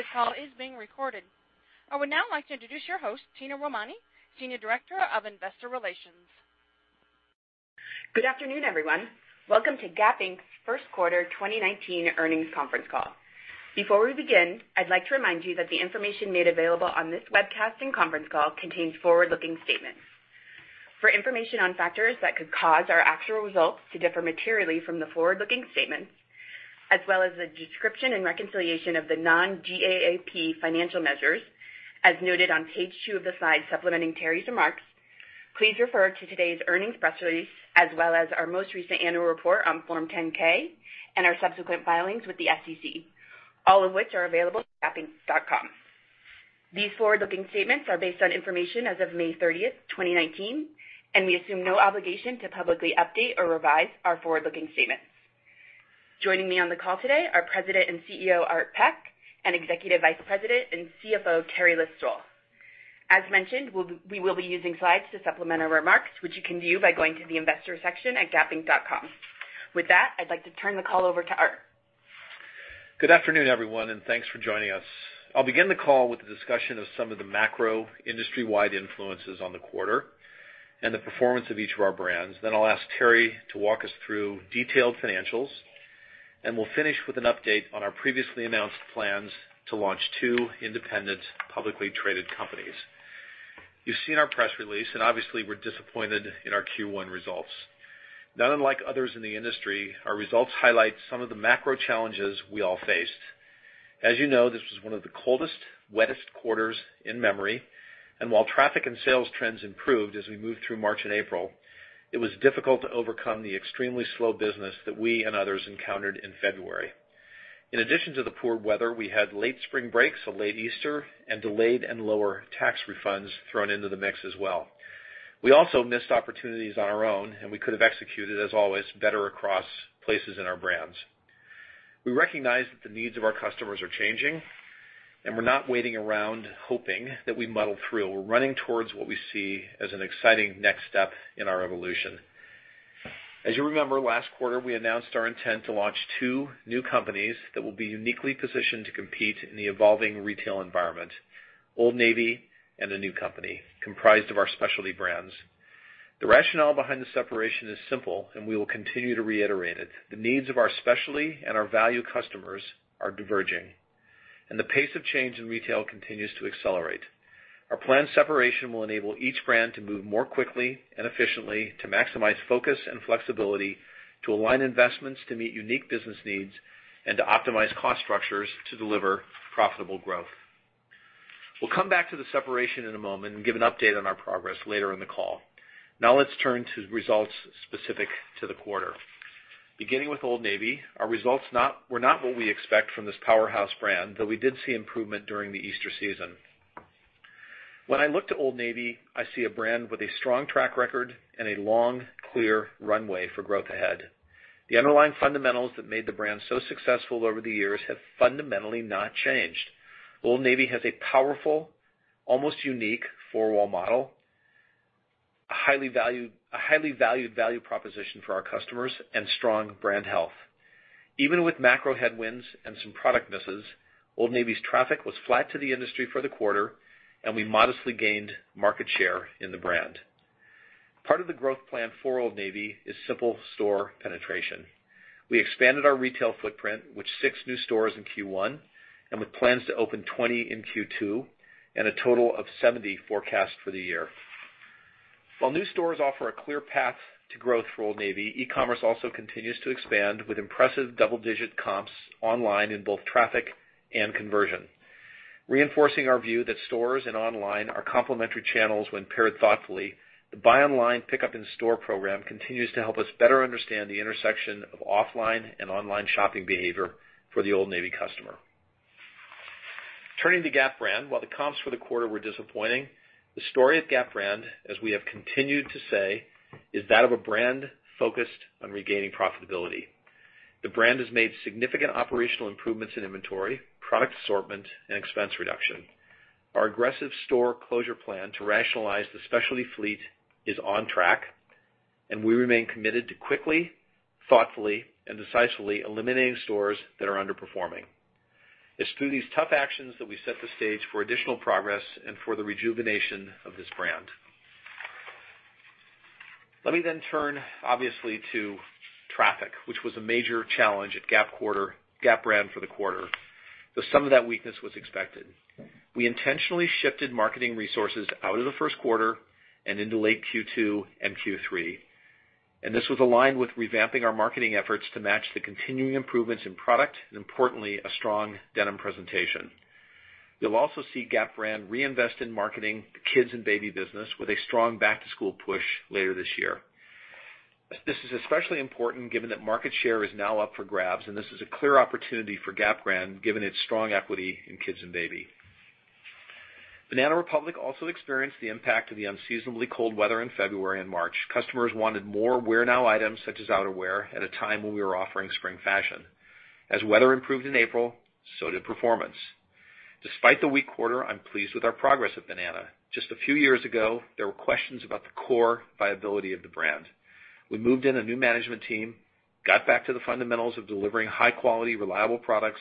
Today's call is being recorded. I would now like to introduce your host, Tina Madhany, Senior Director of Investor Relations. Good afternoon, everyone. Welcome to Gap Inc.'s first quarter 2019 earnings conference call. Before we begin, I'd like to remind you that the information made available on this webcast and conference call contains forward-looking statements. For information on factors that could cause our actual results to differ materially from the forward-looking statements, as well as the description and reconciliation of the non-GAAP financial measures, as noted on page two of the slides supplementing Teri's remarks, please refer to today's earnings press release, as well as our most recent annual report on Form 10-K and our subsequent filings with the SEC, all of which are available at gapinc.com. These forward-looking statements are based on information as of May 30th, 2019. We assume no obligation to publicly update or revise our forward-looking statements. Joining me on the call today, are President and CEO, Art Peck, and Executive Vice President and CFO, Teri List-Stoll. As mentioned, we will be using slides to supplement our remarks, which you can view by going to the Investor section at gapinc.com. With that, I'd like to turn the call over to Art. Good afternoon, everyone. Thanks for joining us. I'll begin the call with a discussion of some of the macro industry-wide influences on the quarter and the performance of each of our brands. I'll ask Teri to walk us through detailed financials. We'll finish with an update on our previously announced plans to launch two independent, publicly traded companies. You've seen our press release. Obviously, we're disappointed in our Q1 results. Not unlike others in the industry, our results highlight some of the macro challenges we all faced. As you know, this was one of the coldest, wettest quarters in memory, while traffic and sales trends improved as we moved through March and April, it was difficult to overcome the extremely slow business that we and others encountered in February. In addition to the poor weather, we had late spring breaks, late Easter, and delayed and lower tax refunds thrown into the mix as well. We also missed opportunities on our own, and we could have executed, as always, better across places in our brands. We recognize that the needs of our customers are changing, and we're not waiting around hoping that we muddle through. We're running towards what we see as an exciting next step in our evolution. As you remember, last quarter, we announced our intent to launch two new companies that will be uniquely positioned to compete in the evolving retail environment, Old Navy and a new company comprised of our specialty brands. The rationale behind the separation is simple, and we will continue to reiterate it. The needs of our specialty and our value customers are diverging, the pace of change in retail continues to accelerate. Our planned separation will enable each brand to move more quickly and efficiently to maximize focus and flexibility, to align investments to meet unique business needs, and to optimize cost structures to deliver profitable growth. We'll come back to the separation in a moment and give an update on our progress later in the call. Let's turn to results specific to the quarter. Beginning with Old Navy, our results were not what we expect from this powerhouse brand, though we did see improvement during the Easter season. When I look to Old Navy, I see a brand with a strong track record and a long, clear runway for growth ahead. The underlying fundamentals that made the brand so successful over the years have fundamentally not changed. Old Navy has a powerful, almost unique four-wall model, a highly valued value proposition for our customers, strong brand health. Even with macro headwinds and some product misses, Old Navy's traffic was flat to the industry for the quarter, we modestly gained market share in the brand. Part of the growth plan for Old Navy is simple store penetration. We expanded our retail footprint with six new stores in Q1, with plans to open 20 in Q2, and a total of 70 forecast for the year. While new stores offer a clear path to growth for Old Navy, e-commerce also continues to expand with impressive double-digit comps online in both traffic and conversion. Reinforcing our view that stores and online are complementary channels when paired thoughtfully, the buy online, pickup in-store program continues to help us better understand the intersection of offline and online shopping behavior for the Old Navy customer. Turning to Gap brand, while the comps for the quarter were disappointing, the story at Gap brand, as we have continued to say, is that of a brand focused on regaining profitability. The brand has made significant operational improvements in inventory, product assortment, and expense reduction. Our aggressive store closure plan to rationalize the specialty fleet is on track, we remain committed to quickly, thoughtfully, and decisively eliminating stores that are underperforming. It's through these tough actions that we set the stage for additional progress and for the rejuvenation of this brand. Let me turn, obviously, to traffic, which was a major challenge at Gap brand for the quarter, though some of that weakness was expected. We intentionally shifted marketing resources out of the first quarter and into late Q2 and Q3. This was aligned with revamping our marketing efforts to match the continuing improvements in product, and importantly, a strong denim presentation. You'll also see Gap brand reinvest in marketing the kids and baby business with a strong back-to-school push later this year. This is especially important given that market share is now up for grabs, and this is a clear opportunity for Gap brand, given its strong equity in kids and baby. Banana Republic also experienced the impact of the unseasonably cold weather in February and March. Customers wanted more wear-now items, such as outerwear, at a time when we were offering spring fashion. As weather improved in April, so did performance. Despite the weak quarter, I'm pleased with our progress at Banana. Just a few years ago, there were questions about the core viability of the brand. We moved in a new management team. We got back to the fundamentals of delivering high-quality, reliable products.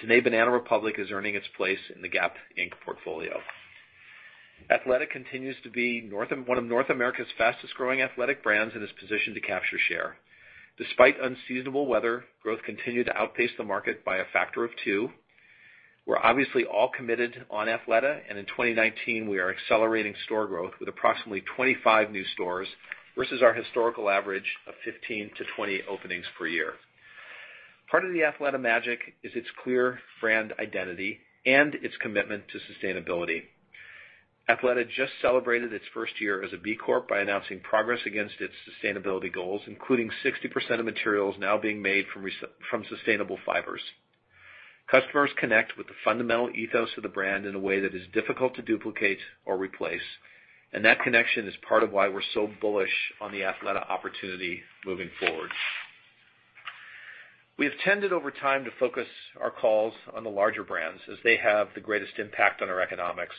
Today, Banana Republic is earning its place in the Gap Inc. portfolio. Athleta continues to be one of North America's fastest-growing athletic brands and is positioned to capture share. Despite unseasonable weather, growth continued to outpace the market by a factor of two. We're obviously all committed on Athleta, and in 2019, we are accelerating store growth with approximately 25 new stores versus our historical average of 15 to 20 openings per year. Part of the Athleta magic is its clear brand identity and its commitment to sustainability. Athleta just celebrated its first year as a B Corp by announcing progress against its sustainability goals, including 60% of materials now being made from sustainable fibers. Customers connect with the fundamental ethos of the brand in a way that is difficult to duplicate or replace, and that connection is part of why we're so bullish on the Athleta opportunity moving forward. We have tended over time to focus our calls on the larger brands, as they have the greatest impact on our economics.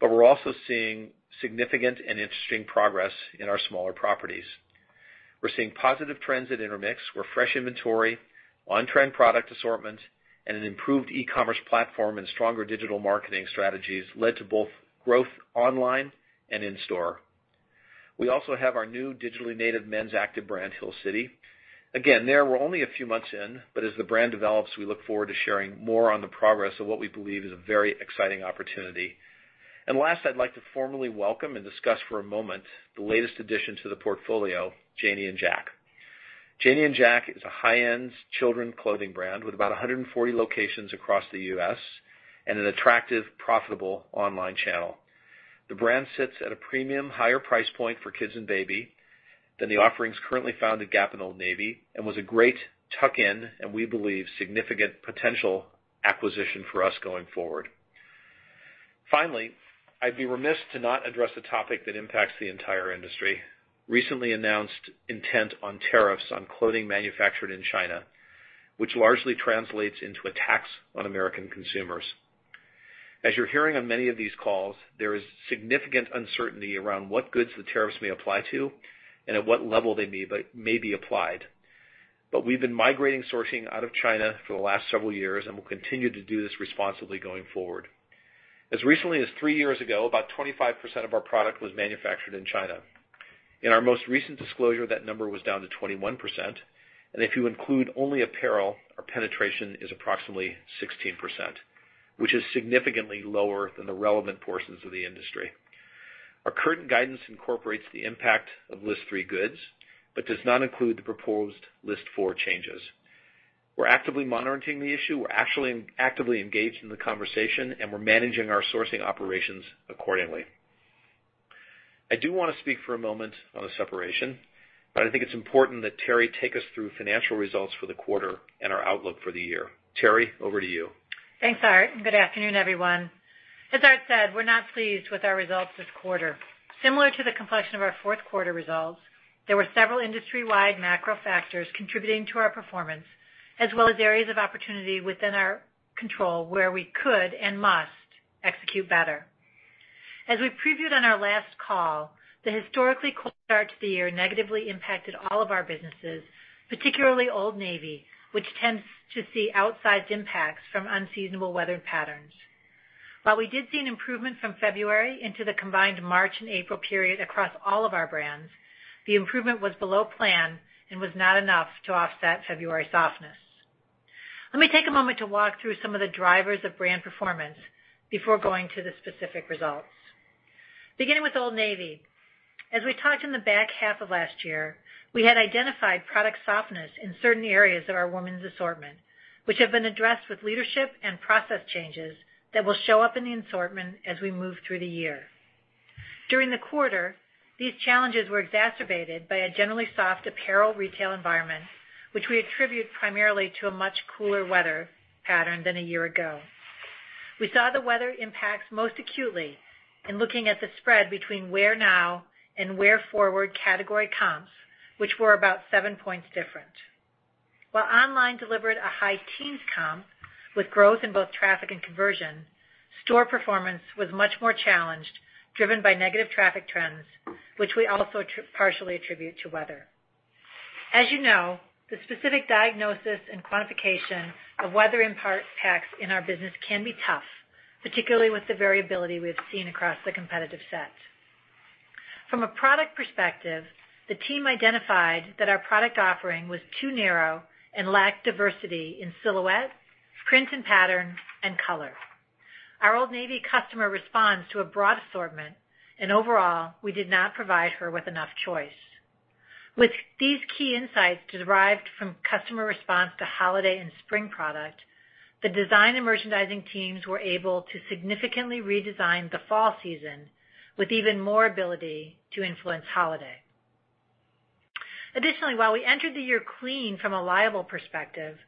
We're also seeing significant and interesting progress in our smaller properties. We're seeing positive trends at Intermix, where fresh inventory, on-trend product assortment, and an improved e-commerce platform and stronger digital marketing strategies led to both growth online and in-store. We also have our new digitally native men's active brand, Hill City. Again, there, we're only a few months in, but as the brand develops, we look forward to sharing more on the progress of what we believe is a very exciting opportunity. Last, I'd like to formally welcome and discuss for a moment the latest addition to the portfolio, Janie and Jack. Janie and Jack is a high-end children's clothing brand with about 140 locations across the U.S. and an attractive, profitable online channel. The brand sits at a premium, higher price point for kids and baby than the offerings currently found at Gap and Old Navy, and was a great tuck-in, and we believe, significant potential acquisition for us going forward. Finally, I'd be remiss to not address a topic that impacts the entire industry. Recently announced intent on tariffs on clothing manufactured in China, which largely translates into a tax on American consumers. As you're hearing on many of these calls, there is significant uncertainty around what goods the tariffs may apply to and at what level they may be applied. We've been migrating sourcing out of China for the last several years and will continue to do this responsibly going forward. As recently as three years ago, about 25% of our product was manufactured in China. In our most recent disclosure, that number was down to 21%, and if you include only apparel, our penetration is approximately 16%, which is significantly lower than the relevant portions of the industry. Our current guidance incorporates the impact of List Three goods but does not include the proposed List Four changes. We're actively monitoring the issue, we're actively engaged in the conversation, and we're managing our sourcing operations accordingly. I do want to speak for a moment on the separation, I think it's important that Teri take us through financial results for the quarter and our outlook for the year. Teri, over to you. Thanks, Art. Good afternoon, everyone. As Art said, we're not pleased with our results this quarter. Similar to the complexion of our fourth quarter results, there were several industry-wide macro factors contributing to our performance, as well as areas of opportunity within our control where we could, and must, execute better. As we previewed on our last call, the historically cold start to the year negatively impacted all of our businesses, particularly Old Navy, which tends to see outsized impacts from unseasonable weather patterns. While we did see an improvement from February into the combined March and April period across all of our brands, the improvement was below plan and was not enough to offset February softness. Let me take a moment to walk through some of the drivers of brand performance before going to the specific results. Beginning with Old Navy, as we talked in the back half of last year, we had identified product softness in certain areas of our women's assortment, which have been addressed with leadership and process changes that will show up in the assortment as we move through the year. During the quarter, these challenges were exacerbated by a generally soft apparel retail environment, which we attribute primarily to a much cooler weather pattern than a year ago. We saw the weather impacts most acutely in looking at the spread between where now and where forward category comps, which were about 7 points different. While online delivered a high teens comp with growth in both traffic and conversion, store performance was much more challenged, driven by negative traffic trends, which we also partially attribute to weather. As you know, the specific diagnosis and quantification of weather impacts in our business can be tough, particularly with the variability we have seen across the competitive set. From a product perspective, the team identified that our product offering was too narrow and lacked diversity in silhouette, print and pattern, and color. Our Old Navy customer responds to a broad assortment, and overall, we did not provide her with enough choice. With these key insights derived from customer response to holiday and spring product, the design and merchandising teams were able to significantly redesign the fall season with even more ability to influence holiday. Additionally, while we entered the year clean from a liability perspective,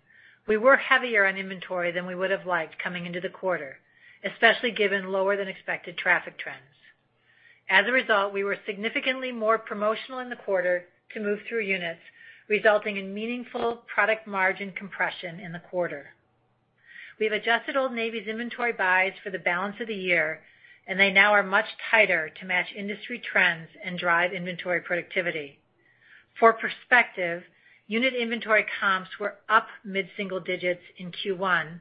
we were heavier on inventory than we would've liked coming into the quarter, especially given lower than expected traffic trends. We were significantly more promotional in the quarter to move through units, resulting in meaningful product margin compression in the quarter. We've adjusted Old Navy's inventory buys for the balance of the year, and they now are much tighter to match industry trends and drive inventory productivity. For perspective, unit inventory comps were up mid-single digits in Q1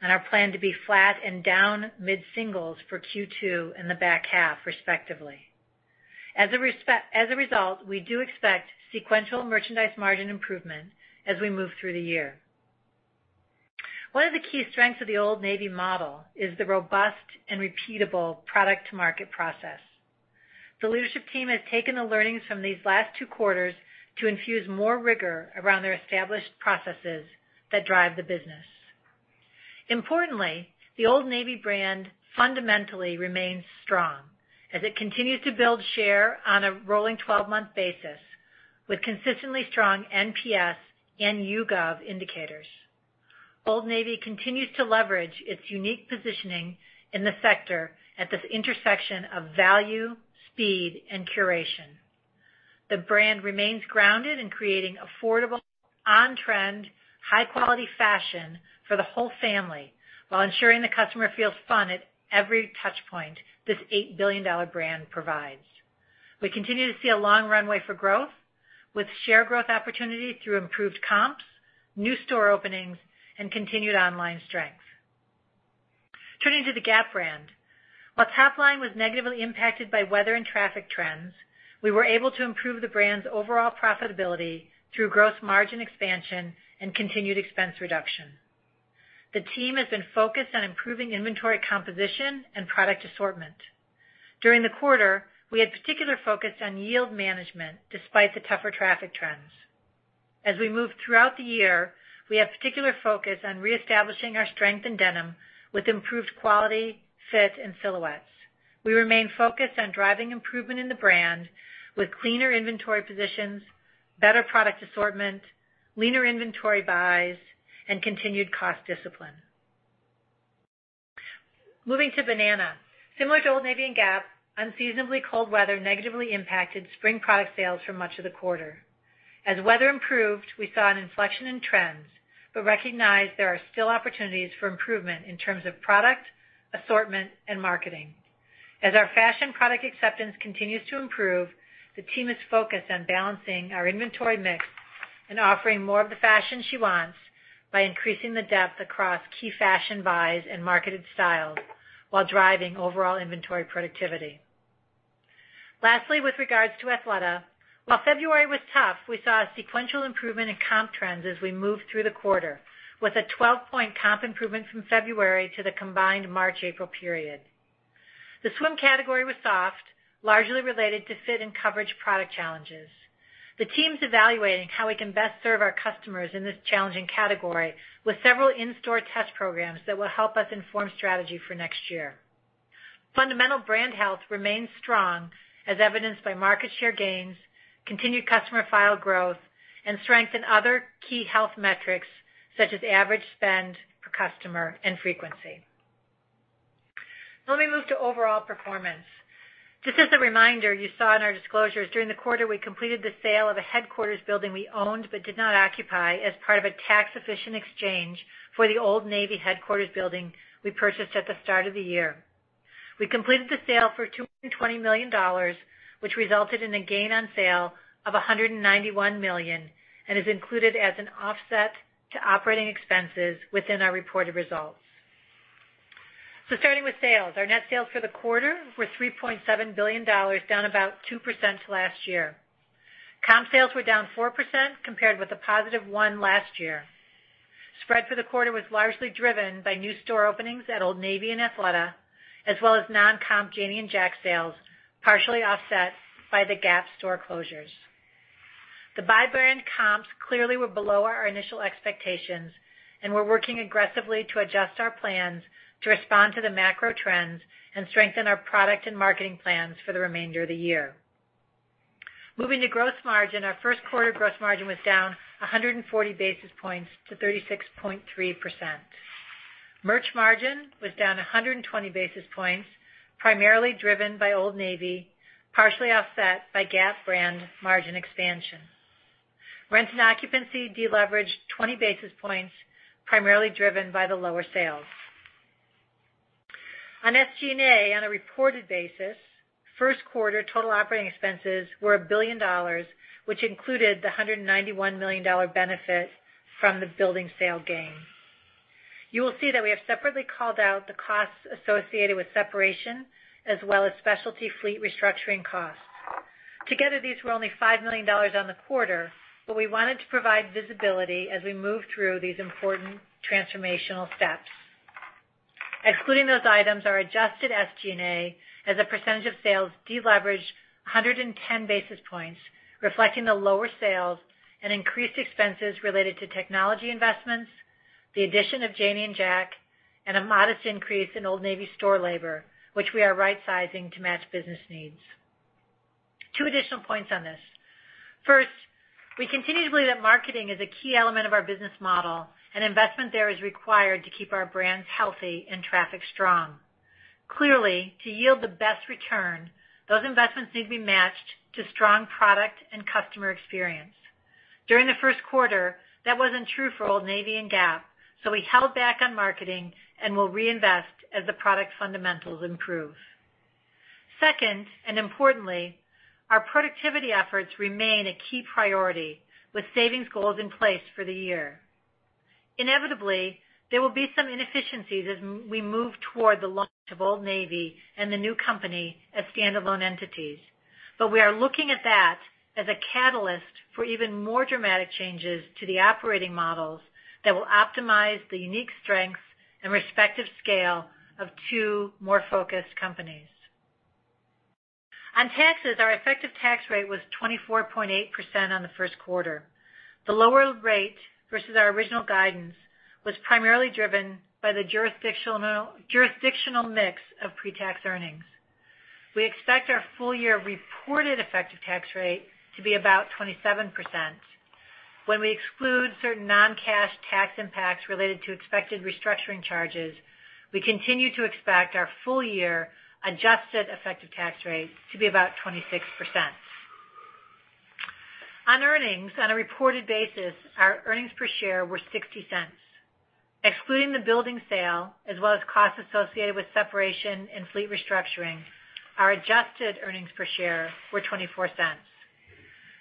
and are planned to be flat and down mid-singles for Q2 in the back half, respectively. We do expect sequential merchandise margin improvement as we move through the year. One of the key strengths of the Old Navy model is the robust and repeatable product-to-market process. The leadership team has taken the learnings from these last two quarters to infuse more rigor around their established processes that drive the business. Importantly, the Old Navy brand fundamentally remains strong as it continues to build share on a rolling 12-month basis with consistently strong NPS and YouGov indicators. Old Navy continues to leverage its unique positioning in the sector at this intersection of value, speed, and curation. The brand remains grounded in creating affordable, on-trend, high-quality fashion for the whole family while ensuring the customer feels fun at every touch point this $8 billion brand provides. We continue to see a long runway for growth with share growth opportunities through improved comps, new store openings, and continued online strength. Turning to the Gap brand. While top line was negatively impacted by weather and traffic trends, we were able to improve the brand's overall profitability through gross margin expansion and continued expense reduction. The team has been focused on improving inventory composition and product assortment. During the quarter, we had particular focus on yield management despite the tougher traffic trends. We move throughout the year, we have particular focus on reestablishing our strength in denim with improved quality, fit, and silhouettes. We remain focused on driving improvement in the brand with cleaner inventory positions, better product assortment, leaner inventory buys, and continued cost discipline. Moving to Banana. Similar to Old Navy and Gap, unseasonably cold weather negatively impacted spring product sales for much of the quarter. Weather improved, we saw an inflection in trends, but recognized there are still opportunities for improvement in terms of product, assortment, and marketing. As our fashion product acceptance continues to improve, the team is focused on balancing our inventory mix and offering more of the fashion she wants by increasing the depth across key fashion buys and marketed styles while driving overall inventory productivity. Lastly, with regards to Athleta, while February was tough, we saw a sequential improvement in comp trends as we moved through the quarter with a 12-point comp improvement from February to the combined March, April period. The swim category was soft, largely related to fit and coverage product challenges. The team's evaluating how we can best serve our customers in this challenging category with several in-store test programs that will help us inform strategy for next year. Fundamental brand health remains strong as evidenced by market share gains, continued customer file growth, and strength in other key health metrics such as average spend per customer and frequency. Let me move to overall performance. Just as a reminder, you saw in our disclosures during the quarter we completed the sale of a headquarters building we owned but did not occupy as part of a tax-efficient exchange for the Old Navy headquarters building we purchased at the start of the year. We completed the sale for $220 million, which resulted in a gain on sale of $191 million and is included as an offset to operating expenses within our reported results. Starting with sales. Our net sales for the quarter were $3.7 billion, down about 2% to last year. Comp sales were down 4% compared with a positive one last year. Spread for the quarter was largely driven by new store openings at Old Navy and Athleta, as well as non-comp Janie and Jack sales, partially offset by the Gap store closures. The buy brand comps clearly were below our initial expectations. We're working aggressively to adjust our plans to respond to the macro trends and strengthen our product and marketing plans for the remainder of the year. Moving to gross margin. Our first quarter gross margin was down 140 basis points to 36.3%. Merch margin was down 120 basis points, primarily driven by Old Navy, partially offset by Gap brand margin expansion. Rent and occupancy deleveraged 20 basis points, primarily driven by the lower sales. On SG&A, on a reported basis, first quarter total operating expenses were $1 billion, which included the $191 million benefit from the building sale gain. You will see that we have separately called out the costs associated with separation as well as specialty fleet restructuring costs. Together, these were only $5 million on the quarter. We wanted to provide visibility as we move through these important transformational steps. Excluding those items, our adjusted SG&A as a percentage of sales deleveraged 110 basis points, reflecting the lower sales and increased expenses related to technology investments, the addition of Janie and Jack, and a modest increase in Old Navy store labor, which we are rightsizing to match business needs. Two additional points on this. First, we continue to believe that marketing is a key element of our business model. Investment there is required to keep our brands healthy and traffic strong. Clearly, to yield the best return, those investments need to be matched to strong product and customer experience. During the first quarter, that wasn't true for Old Navy and Gap. We held back on marketing and will reinvest as the product fundamentals improve. Second, and importantly, our productivity efforts remain a key priority, with savings goals in place for the year. Inevitably, there will be some inefficiencies as we move toward the launch of Old Navy and the new company as standalone entities. We are looking at that as a catalyst for even more dramatic changes to the operating models that will optimize the unique strengths and respective scale of two more focused companies. On taxes, our effective tax rate was 24.8% on the first quarter. The lower rate versus our original guidance was primarily driven by the jurisdictional mix of pre-tax earnings. We expect our full year reported effective tax rate to be about 27%. When we exclude certain non-cash tax impacts related to expected restructuring charges, we continue to expect our full year adjusted effective tax rate to be about 26%. On earnings on a reported basis, our earnings per share were $0.60. Excluding the building sale as well as costs associated with separation and fleet restructuring, our adjusted earnings per share were $0.24.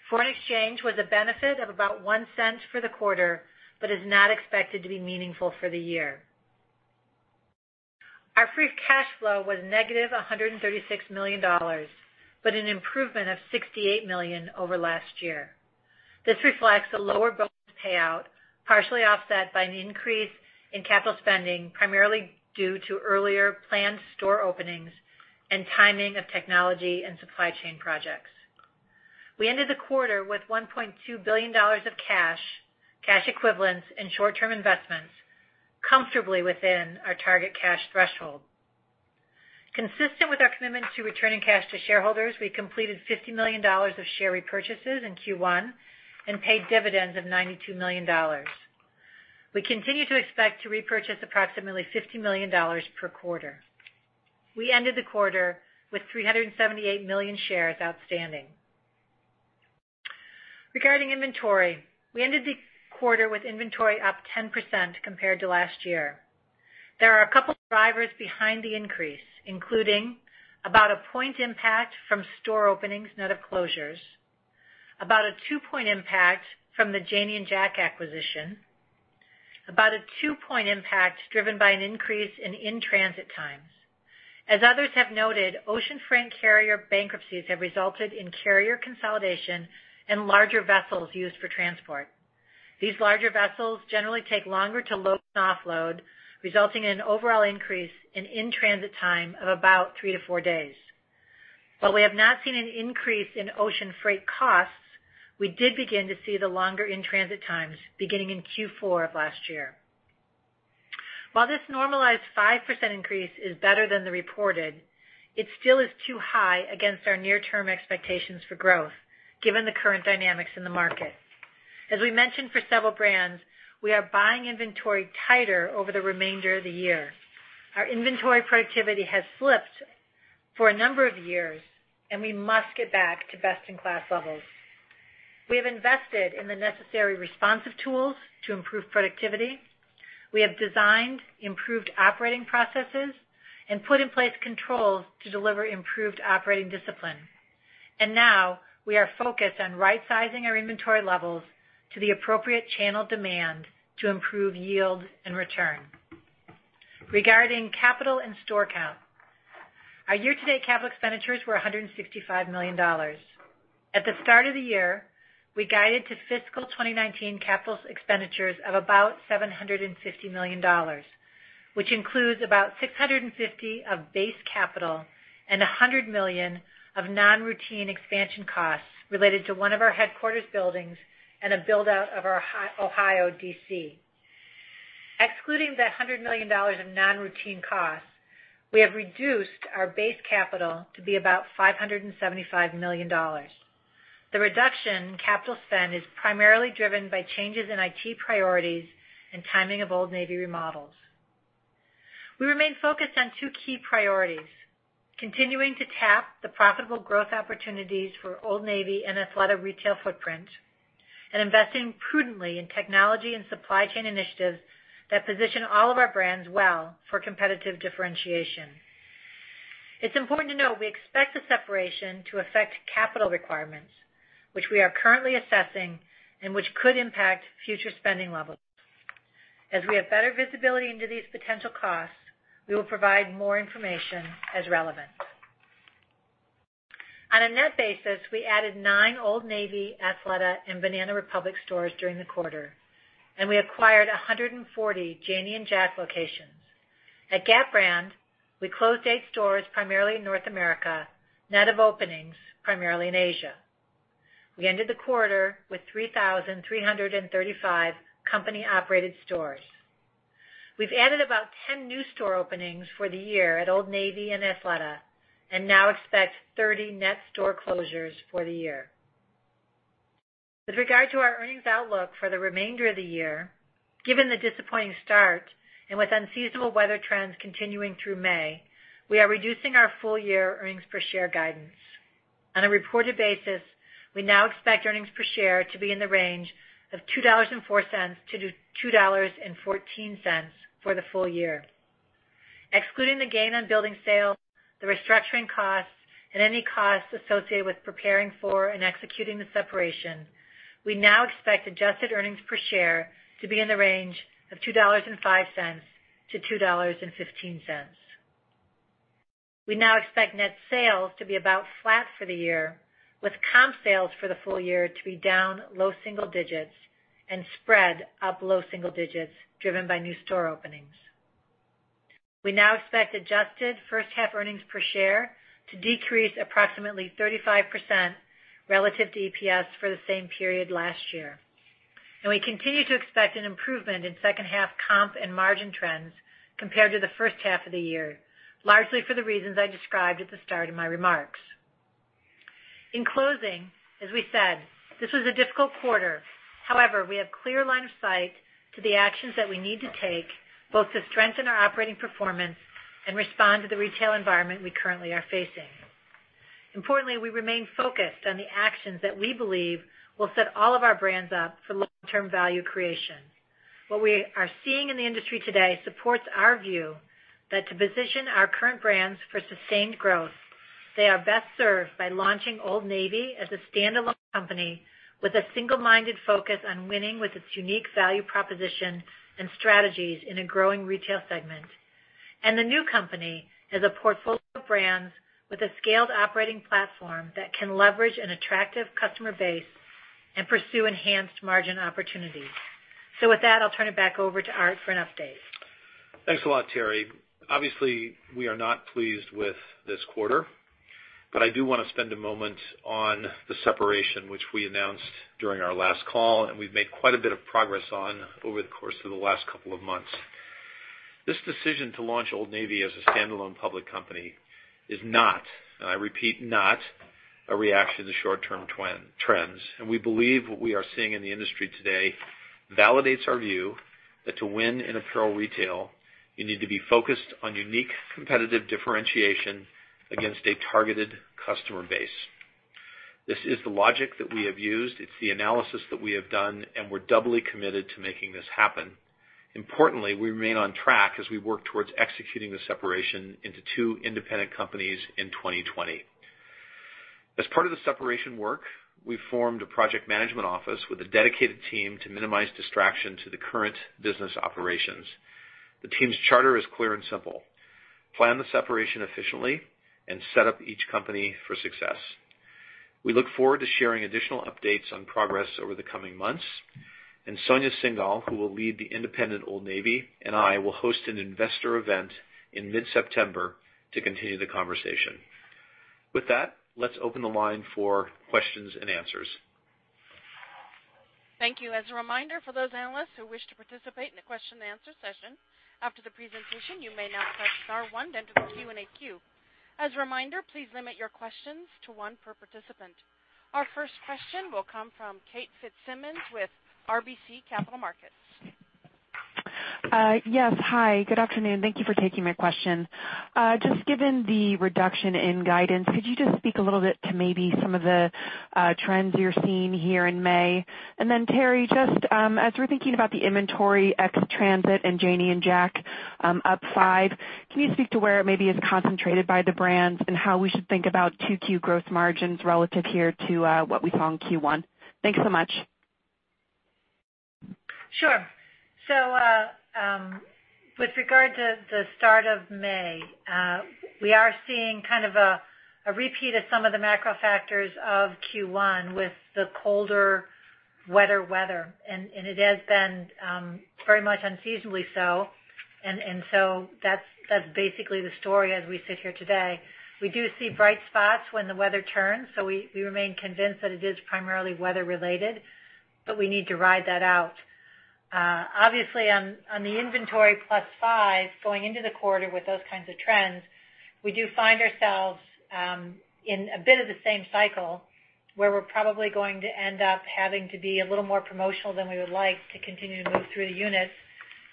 Foreign exchange was a benefit of about $0.01 for the quarter, but is not expected to be meaningful for the year. Our free cash flow was negative $136 million, but an improvement of $68 million over last year. This reflects a lower bonus payout, partially offset by an increase in capital spending, primarily due to earlier planned store openings and timing of technology and supply chain projects. We ended the quarter with $1.2 billion of cash equivalents, and short-term investments comfortably within our target cash threshold. Consistent with our commitment to returning cash to shareholders, we completed $50 million of share repurchases in Q1 and paid dividends of $92 million. We continue to expect to repurchase approximately $50 million per quarter. We ended the quarter with 378 million shares outstanding. Regarding inventory, we ended the quarter with inventory up 10% compared to last year. There are a couple of drivers behind the increase, including about a one-point impact from store openings net of closures, about a two-point impact from the Janie and Jack acquisition, about a two-point impact driven by an increase in in-transit times. As others have noted, ocean freight carrier bankruptcies have resulted in carrier consolidation and larger vessels used for transport. These larger vessels generally take longer to load and offload, resulting in an overall increase in in-transit time of about three to four days. While we have not seen an increase in ocean freight costs, we did begin to see the longer in-transit times beginning in Q4 of last year. While this normalized 5% increase is better than the reported, it still is too high against our near-term expectations for growth, given the current dynamics in the market. As we mentioned for several brands, we are buying inventory tighter over the remainder of the year. Our inventory productivity has slipped for a number of years, and we must get back to best-in-class levels. We have invested in the necessary responsive tools to improve productivity. We have designed improved operating processes and put in place controls to deliver improved operating discipline. Now we are focused on right-sizing our inventory levels to the appropriate channel demand to improve yield and return. Regarding capital and store count, our year-to-date capital expenditures were $165 million. At the start of the year, we guided to fiscal 2019 capital expenditures of about $750 million, which includes about $650 million of base capital and $100 million of non-routine expansion costs related to one of our headquarters buildings and a build-out of our Ohio DC. Excluding the $100 million of non-routine costs, we have reduced our base capital to be about $575 million. The reduction in capital spend is primarily driven by changes in IT priorities and timing of Old Navy remodels. We remain focused on two key priorities, continuing to tap the profitable growth opportunities for Old Navy and Athleta retail footprint, and investing prudently in technology and supply chain initiatives that position all of our brands well for competitive differentiation. It's important to note we expect the separation to affect capital requirements, which we are currently assessing and which could impact future spending levels. As we have better visibility into these potential costs, we will provide more information as relevant. On a net basis, we added nine Old Navy, Athleta, and Banana Republic stores during the quarter, and we acquired 140 Janie and Jack locations. At Gap brand, we closed eight stores, primarily in North America, net of openings, primarily in Asia. We ended the quarter with 3,335 company-operated stores. We've added about 10 new store openings for the year at Old Navy and Athleta and now expect 30 net store closures for the year. With regard to our earnings outlook for the remainder of the year, given the disappointing start and with unseasonable weather trends continuing through May, we are reducing our full year earnings per share guidance. On a reported basis, we now expect earnings per share to be in the range of $2.04-$2.14 for the full year. Excluding the gain on building sale, the restructuring costs, and any costs associated with preparing for and executing the separation, we now expect adjusted earnings per share to be in the range of $2.05-$2.15. We now expect net sales to be about flat for the year, with comp sales for the full year to be down low single digits and spread up low single digits, driven by new store openings. We now expect adjusted first half earnings per share to decrease approximately 35% relative to EPS for the same period last year. We continue to expect an improvement in second half comp and margin trends compared to the first half of the year, largely for the reasons I described at the start of my remarks. In closing, as we said, this was a difficult quarter. However, we have clear line of sight to the actions that we need to take both to strengthen our operating performance and respond to the retail environment we currently are facing. Importantly, we remain focused on the actions that we believe will set all of our brands up for long-term value creation. What we are seeing in the industry today supports our view that to position our current brands for sustained growth, they are best served by launching Old Navy as a standalone company with a single-minded focus on winning with its unique value proposition and strategies in a growing retail segment. The new company has a portfolio of brands with a scaled operating platform that can leverage an attractive customer base and pursue enhanced margin opportunities. With that, I'll turn it back over to Art for an update. Thanks a lot, Teri. Obviously, we are not pleased with this quarter, but I do want to spend a moment on the separation, which we announced during our last call, and we've made quite a bit of progress on over the course of the last couple of months. This decision to launch Old Navy as a standalone public company is not, and I repeat, not a reaction to short-term trends. We believe what we are seeing in the industry today validates our view that to win in apparel retail, you need to be focused on unique competitive differentiation against a targeted customer base. This is the logic that we have used. It's the analysis that we have done, and we're doubly committed to making this happen. Importantly, we remain on track as we work towards executing the separation into two independent companies in 2020. As part of the separation work, we've formed a project management office with a dedicated team to minimize distraction to the current business operations. The team's charter is clear and simple: plan the separation efficiently and set up each company for success. We look forward to sharing additional updates on progress over the coming months, and Sonia Syngal, who will lead the independent Old Navy, and I will host an investor event in mid-September to continue the conversation. With that, let's open the line for questions and answers. Thank you. As a reminder, for those analysts who wish to participate in the question and answer session, after the presentation, you may now press star one, then to the Q&A queue. As a reminder, please limit your questions to one per participant. Our first question will come from Kate Fitzsimons with RBC Capital Markets. Yes. Hi, good afternoon. Thank you for taking my question. Just given the reduction in guidance, could you just speak a little bit to maybe some of the trends you're seeing here in May? Then Teri, just as we're thinking about the inventory ex transit in Janie and Jack, up five, can you speak to where it maybe is concentrated by the brands and how we should think about two Q growth margins relative here to what we saw in Q1? Thanks so much. Sure. With regard to the start of May, we are seeing kind of a repeat of some of the macro factors of Q1 with the colder weather, and it has been very much unseasonably so. That's basically the story as we sit here today. We do see bright spots when the weather turns, so we remain convinced that it is primarily weather related, but we need to ride that out. Obviously on the inventory plus five, going into the quarter with those kinds of trends, we do find ourselves in a bit of the same cycle, where we're probably going to end up having to be a little more promotional than we would like to continue to move through the units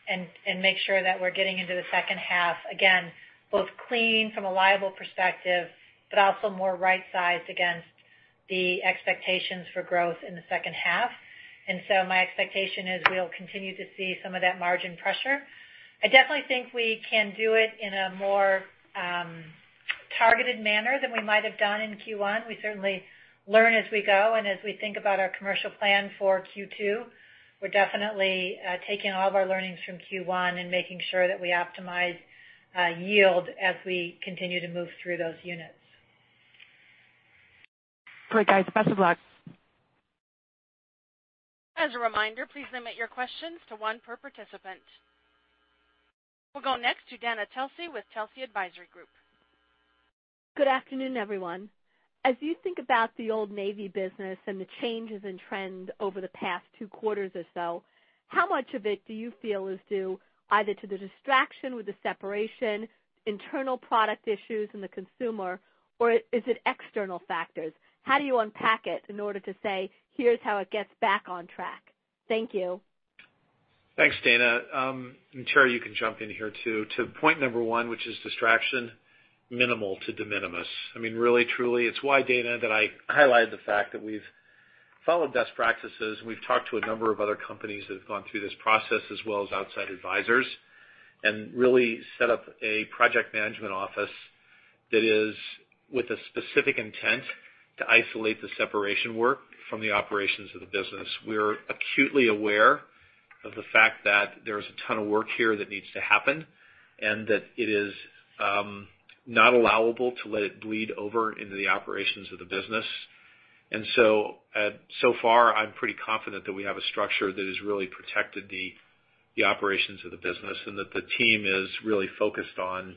and make sure that we're getting into the second half, again, both clean from a liable perspective, but also more right-sized against the expectations for growth in the second half. My expectation is we'll continue to see some of that margin pressure. I definitely think we can do it in a more targeted manner than we might have done in Q1. We certainly learn as we go and as we think about our commercial plan for Q2, we're definitely taking all of our learnings from Q1 and making sure that we optimize yield as we continue to move through those units. Great, guys. Best of luck. As a reminder, please limit your questions to one per participant. We'll go next to Dana Telsey with Telsey Advisory Group. Good afternoon, everyone. As you think about the Old Navy business and the changes in trend over the past two quarters or so, how much of it do you feel is due either to the distraction with the separation, internal product issues in the consumer, or is it external factors? How do you unpack it in order to say, "Here's how it gets back on track." Thank you. Thanks, Dana. Teri, you can jump in here too. To point number one, which is distraction, minimal to de minimis. Really, truly, it's why, Dana, that I highlighted the fact that we've followed best practices, and we've talked to a number of other companies that have gone through this process as well as outside advisors, and really set up a project management office that is with a specific intent to isolate the separation work from the operations of the business. We're acutely aware of the fact that there's a ton of work here that needs to happen, and that it is not allowable to let it bleed over into the operations of the business. So far, I'm pretty confident that we have a structure that has really protected the operations of the business, and that the team is really focused on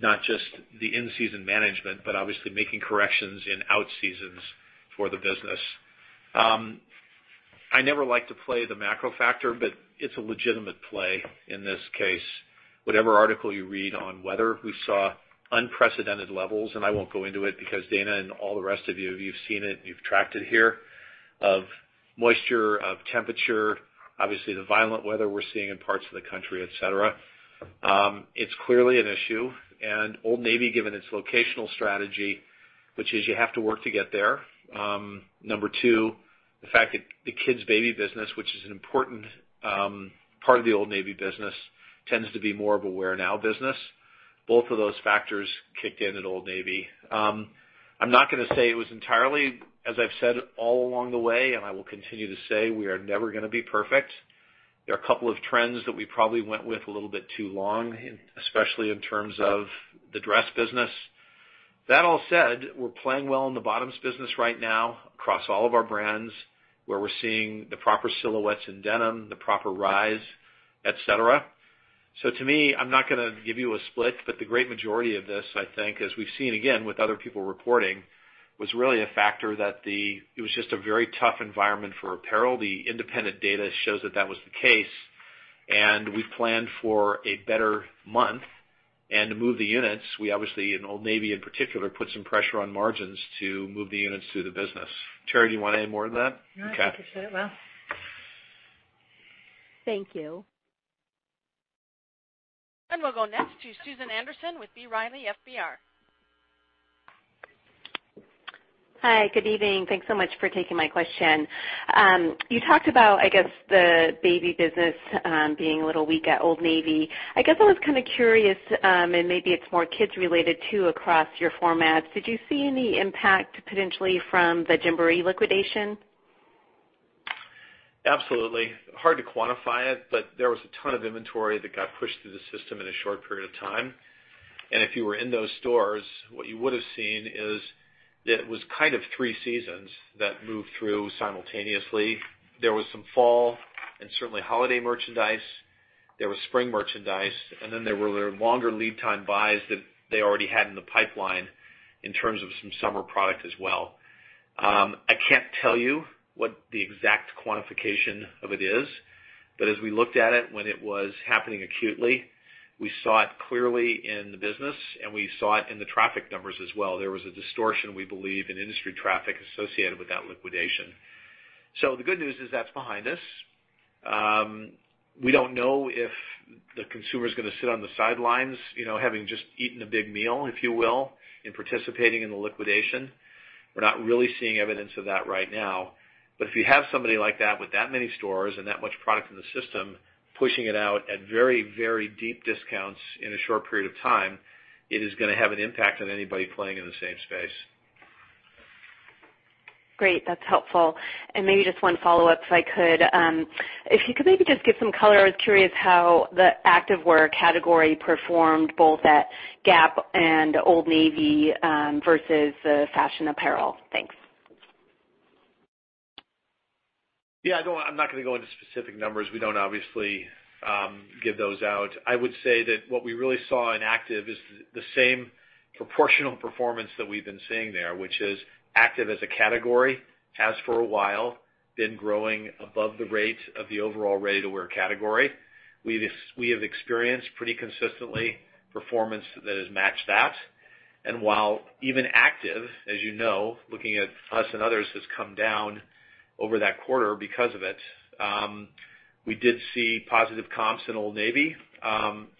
not just the in-season management, but obviously making corrections in out seasons for the business. I never like to play the macro factor, but it's a legitimate play in this case. Whatever article you read on weather, we saw unprecedented levels, and I won't go into it because Dana and all the rest of you've seen it and you've tracked it here. Of moisture, of temperature, obviously the violent weather we're seeing in parts of the country, et cetera. It's clearly an issue. Old Navy, given its locational strategy, which is you have to work to get there. Number two, the fact that the kids' baby business, which is an important part of the Old Navy business, tends to be more of a wear-now business. Both of those factors kicked in at Old Navy. I'm not going to say it was entirely, as I've said all along the way, and I will continue to say, we are never going to be perfect. There are a couple of trends that we probably went with a little bit too long, especially in terms of the dress business. That all said, we're playing well in the bottoms business right now across all of our brands, where we're seeing the proper silhouettes in denim, the proper rise, et cetera. To me, I'm not going to give you a split, but the great majority of this, I think, as we've seen again with other people reporting, was really a factor that it was just a very tough environment for apparel. The independent data shows that that was the case, and we planned for a better month. To move the units, we obviously, in Old Navy in particular, put some pressure on margins to move the units through the business. Teri, do you want any more than that? No, I think you said it well. Thank you. We'll go next to Susan Anderson with B. Riley FBR. Hi, good evening. Thanks so much for taking my question. You talked about, I guess, the baby business being a little weak at Old Navy. I guess I was kind of curious, and maybe it's more kids related too, across your formats. Did you see any impact potentially from the Gymboree liquidation? Absolutely. Hard to quantify it, there was a ton of inventory that got pushed through the system in a short period of time. If you were in those stores, what you would've seen is that it was kind of three seasons that moved through simultaneously. There was some fall and certainly holiday merchandise. There was spring merchandise, there were longer lead time buys that they already had in the pipeline in terms of some summer product as well. I can't tell you what the exact quantification of it is, as we looked at it when it was happening acutely, we saw it clearly in the business, and we saw it in the traffic numbers as well. There was a distortion, we believe, in industry traffic associated with that liquidation. The good news is that's behind us. We don't know if the consumer's going to sit on the sidelines, having just eaten a big meal, if you will, in participating in the liquidation. We're not really seeing evidence of that right now. If you have somebody like that with that many stores and that much product in the system, pushing it out at very, very deep discounts in a short period of time, it is going to have an impact on anybody playing in the same space. Great. That's helpful. Maybe just one follow-up, if I could. If you could maybe just give some color. I was curious how the active wear category performed both at Gap and Old Navy versus fashion apparel. Thanks. Yeah. No, I'm not going to go into specific numbers. We don't obviously give those out. I would say that what we really saw in active is the same proportional performance that we've been seeing there, which is active as a category, has for a while been growing above the rate of the overall ready-to-wear category. We have experienced pretty consistently performance that has matched that. While even active, as you know, looking at us and others, has come down over that quarter because of it. We did see positive comps in Old Navy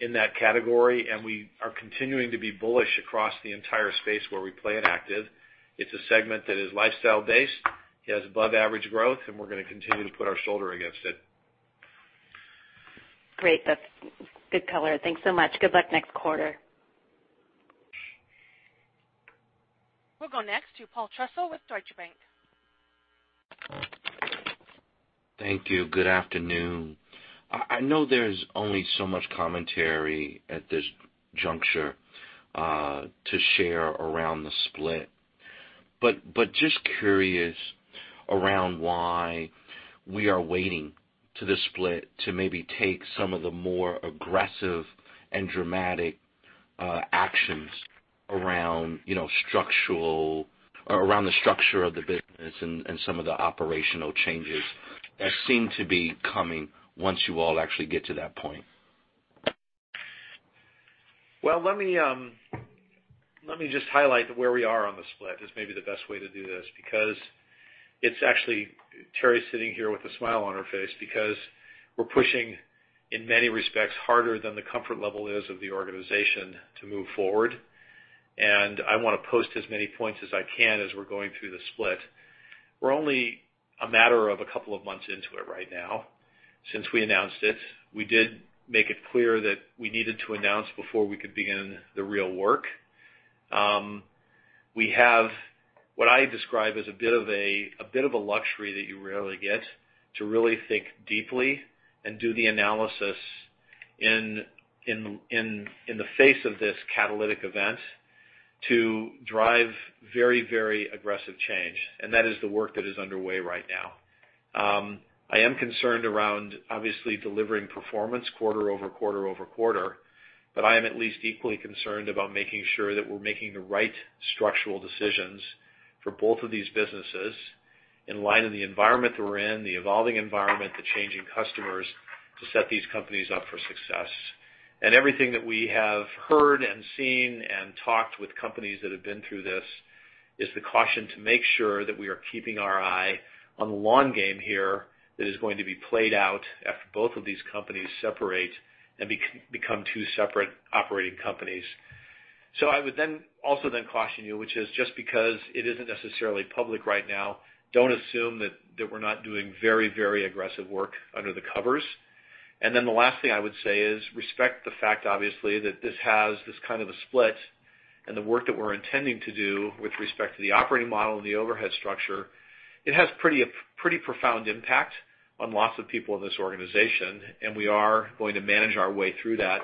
in that category. We are continuing to be bullish across the entire space where we play in active. It's a segment that is lifestyle based, it has above average growth, and we're going to continue to put our shoulder against it. Great. That's good color. Thanks so much. Good luck next quarter. We'll go next to Paul Trussell with Deutsche Bank. Thank you. Good afternoon. I know there's only so much commentary at this juncture to share around the split, just curious around why we are waiting to the split to maybe take some of the more aggressive and dramatic actions around the structure of the business and some of the operational changes that seem to be coming once you all actually get to that point. Let me just highlight where we are on the split. It's maybe the best way to do this because it's actually, Teri's sitting here with a smile on her face because we're pushing, in many respects, harder than the comfort level is of the organization to move forward. I want to post as many points as I can as we're going through the split. We're only a matter of a couple of months into it right now since we announced it. We did make it clear that we needed to announce before we could begin the real work. We have what I describe as a bit of a luxury that you rarely get to really think deeply and do the analysis in the face of this catalytic event to drive very aggressive change. That is the work that is underway right now. I am concerned around obviously delivering performance quarter over quarter. I am at least equally concerned about making sure that we're making the right structural decisions for both of these businesses in light of the environment that we're in, the evolving environment, the changing customers, to set these companies up for success. Everything that we have heard and seen and talked with companies that have been through this is the caution to make sure that we are keeping our eye on the long game here that is going to be played out after both of these companies separate and become two separate operating companies. I would then also then caution you, which is just because it isn't necessarily public right now, don't assume that we're not doing very aggressive work under the covers. The last thing I would say is respect the fact, obviously, that this has this kind of a split and the work that we're intending to do with respect to the operating model and the overhead structure. It has pretty profound impact on lots of people in this organization, we are going to manage our way through that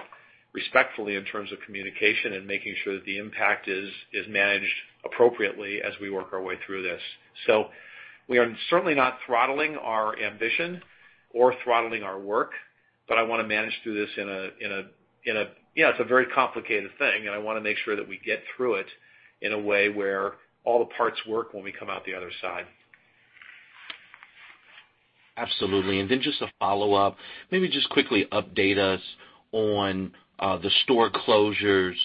respectfully in terms of communication and making sure that the impact is managed appropriately as we work our way through this. We are certainly not throttling our ambition or throttling our work, I want to manage through this. It's a very complicated thing, I want to make sure that we get through it in a way where all the parts work when we come out the other side. Absolutely. Just a follow-up. Maybe just quickly update us on the store closures,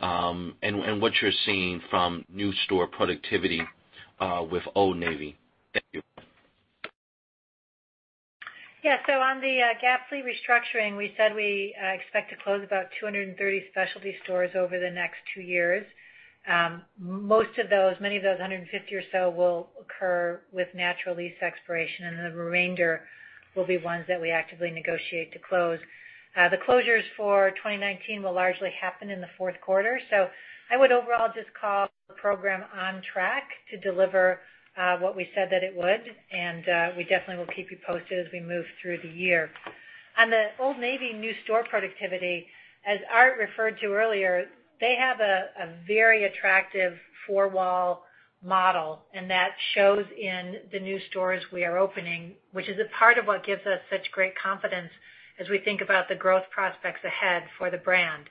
and what you're seeing from new store productivity, with Old Navy. Thank you. On the Gap fleet restructuring, we said we expect to close about 230 specialty stores over the next two years. Most of those, many of those, 150 or so, will occur with natural lease expiration, and the remainder will be ones that we actively negotiate to close. The closures for 2019 will largely happen in the fourth quarter. I would overall just call the program on track to deliver what we said that it would, and we definitely will keep you posted as we move through the year. On the Old Navy new store productivity, as Art referred to earlier, they have a very attractive four-wall model, and that shows in the new stores we are opening, which is a part of what gives us such great confidence as we think about the growth prospects ahead for the brand.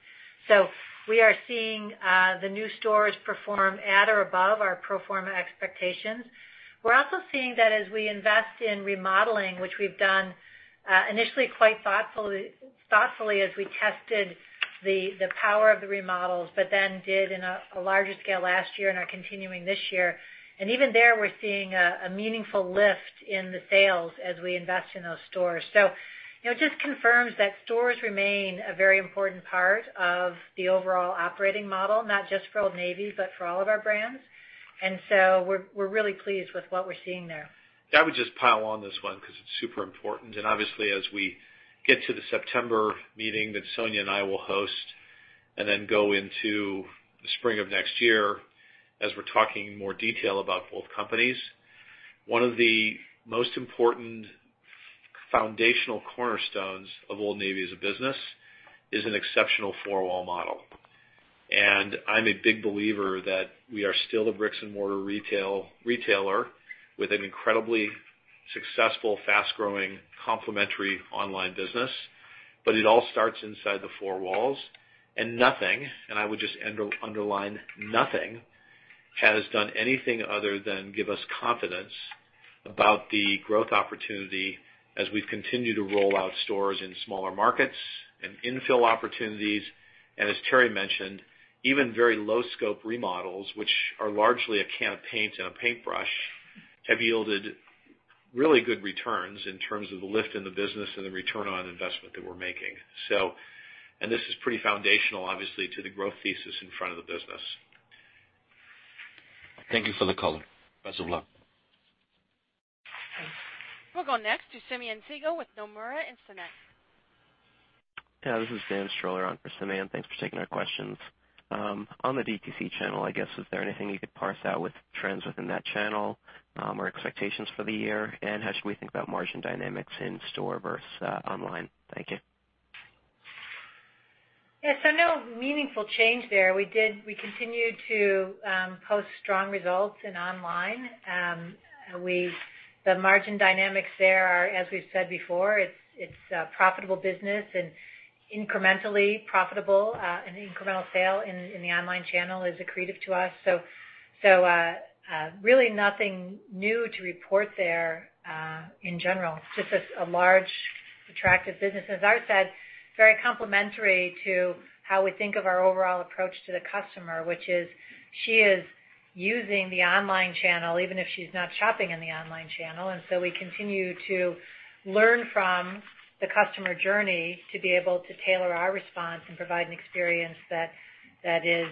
We are seeing the new stores perform at or above our pro forma expectations. We're also seeing that as we invest in remodeling, which we've done initially quite thoughtfully as we tested the power of the remodels, did in a larger scale last year and are continuing this year. Even there, we're seeing a meaningful lift in the sales as we invest in those stores. It just confirms that stores remain a very important part of the overall operating model, not just for Old Navy, but for all of our brands. We're really pleased with what we're seeing there. I would just pile on this one because it's super important. Obviously, as we get to the September meeting that Sonia and I will host, go into the spring of next year, as we're talking in more detail about both companies, one of the most important foundational cornerstones of Old Navy as a business is an exceptional four-wall model. I'm a big believer that we are still a bricks-and-mortar retailer with an incredibly successful, fast-growing, complementary online business. It all starts inside the four walls. Nothing, and I would just underline nothing, has done anything other than give us confidence about the growth opportunity as we've continued to roll out stores in smaller markets and infill opportunities. As Teri mentioned, even very low-scope remodels, which are largely a can of paint and a paintbrush, have yielded really good returns in terms of the lift in the business and the return on investment that we're making. This is pretty foundational, obviously, to the growth thesis in front of the business. Thank you for the color. Best of luck. We'll go next to Simeon Siegel with Nomura Instinet. This is Dan Strohl on for Simeon. Thanks for taking our questions. On the DTC channel, I guess, is there anything you could parse out with trends within that channel, or expectations for the year? How should we think about margin dynamics in store versus online? Thank you. No meaningful change there. We continue to post strong results in online. The margin dynamics there are, as we've said before, it's a profitable business and incrementally profitable. An incremental sale in the online channel is accretive to us. So, really nothing new to report there in general. Just a large attractive business. As Art said, very complementary to how we think of our overall approach to the customer, which is she is using the online channel even if she's not shopping in the online channel. We continue to learn from the customer journey to be able to tailor our response and provide an experience that is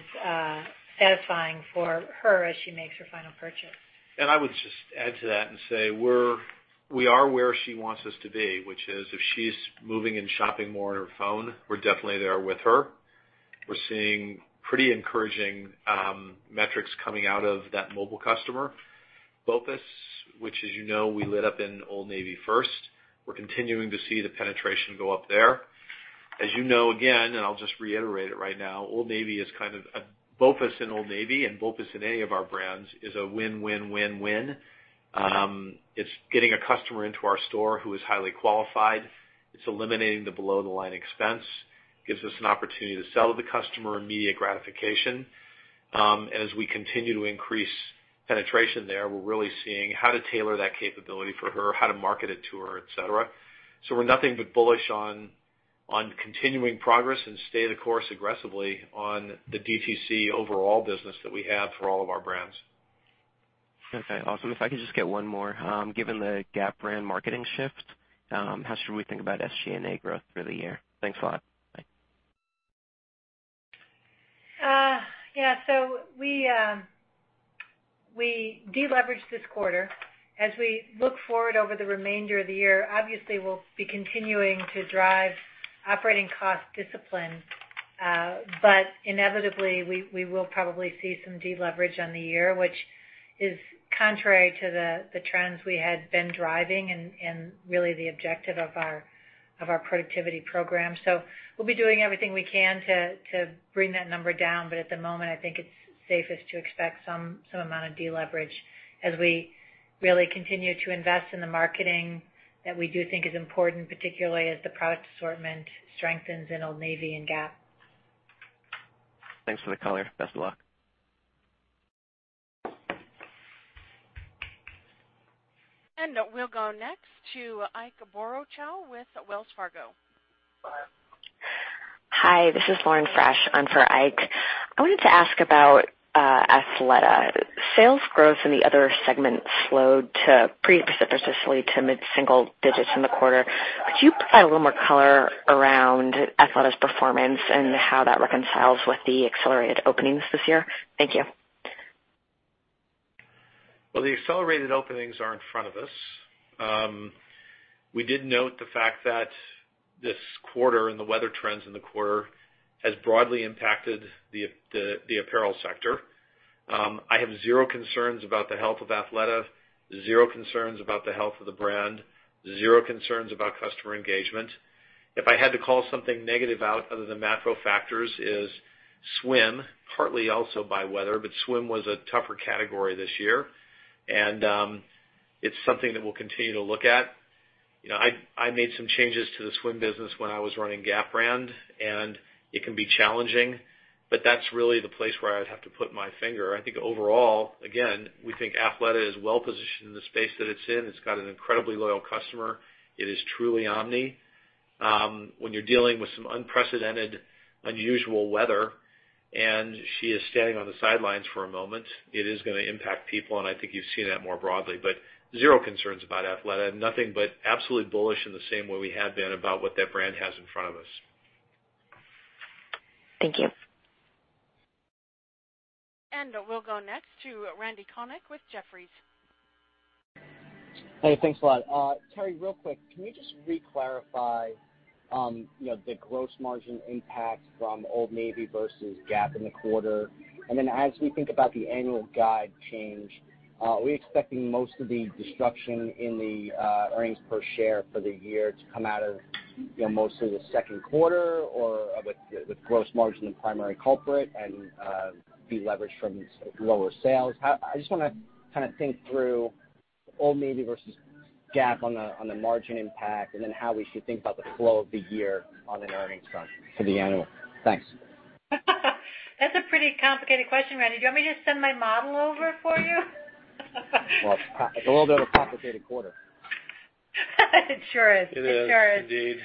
satisfying for her as she makes her final purchase. I would just add to that and say, we are where she wants us to be, which is if she's moving and shopping more on her phone, we're definitely there with her. We're seeing pretty encouraging metrics coming out of that mobile customer. BOPUS, which as you know, we lit up in Old Navy first. We're continuing to see the penetration go up there. As you know, again, I'll just reiterate it right now, BOPUS in Old Navy and BOPUS in any of our brands is a win-win. It's getting a customer into our store who is highly qualified. It's eliminating the below the line expense, gives us an opportunity to sell to the customer immediate gratification. As we continue to increase penetration there, we're really seeing how to tailor that capability for her, how to market it to her, et cetera. We're nothing but bullish on continuing progress and stay the course aggressively on the DTC overall business that we have for all of our brands. Awesome. If I could just get one more. Given the Gap brand marketing shift, how should we think about SG&A growth through the year? Thanks a lot. Bye. Yeah. We de-leveraged this quarter. As we look forward over the remainder of the year, obviously, we'll be continuing to drive operating cost discipline. Inevitably, we will probably see some de-leverage on the year, which is contrary to the trends we had been driving and really the objective of our productivity program. We'll be doing everything we can to bring that number down. At the moment, I think it's safest to expect some amount of de-leverage as we really continue to invest in the marketing that we do think is important, particularly as the product assortment strengthens in Old Navy and Gap. Thanks for the color. Best of luck. We'll go next to Ike Boruchow with Wells Fargo. Hi. Hi, this is Lauren Fresh on for Ike. I wanted to ask about Athleta. Sales growth in the other segment slowed pretty precipitously to mid-single digits in the quarter. Could you provide a little more color around Athleta's performance and how that reconciles with the accelerated openings this year? Thank you. Well, the accelerated openings are in front of us. We did note the fact that this quarter and the weather trends in the quarter has broadly impacted the apparel sector. I have zero concerns about the health of Athleta, zero concerns about the health of the brand, zero concerns about customer engagement. If I had to call something negative out other than macro factors is swim, partly also by weather, but swim was a tougher category this year. It's something that we'll continue to look at. I made some changes to the swim business when I was running Gap brand, and it can be challenging, but that's really the place where I would have to put my finger. I think overall, again, we think Athleta is well positioned in the space that it's in. It's got an incredibly loyal customer. It is truly omni. When you're dealing with some unprecedented, unusual weather, and she is standing on the sidelines for a moment, it is gonna impact people, and I think you've seen that more broadly. Zero concerns about Athleta. Nothing but absolutely bullish in the same way we have been about what that brand has in front of us. Thank you. We'll go next to Randy Konik with Jefferies. Hey, thanks a lot. Teri, real quick, can you just re-clarify the gross margin impact from Old Navy versus Gap in the quarter? As we think about the annual guide change, are we expecting most of the destruction in the earnings per share for the year to come out of mostly the second quarter or with gross margin the primary culprit and, de-leverage from lower sales? I just wanna think through Old Navy versus Gap on the margin impact and then how we should think about the flow of the year on an earnings front for the annual. Thanks. That's a pretty complicated question, Randy. Do you want me to send my model over for you? Well, it's a little bit of a complicated quarter. It sure is. It is indeed.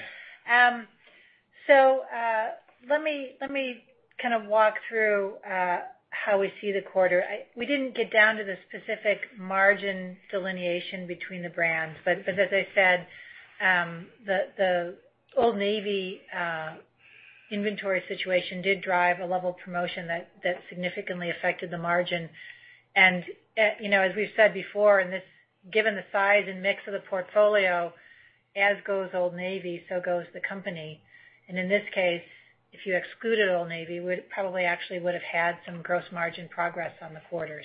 Let me kind of walk through how we see the quarter. We didn't get down to the specific margin delineation between the brands. As I said, the Old Navy inventory situation did drive a level of promotion that significantly affected the margin. As we've said before, given the size and mix of the portfolio, as goes Old Navy, so goes the company. In this case, if you excluded Old Navy, we probably actually would have had some gross margin progress on the quarter.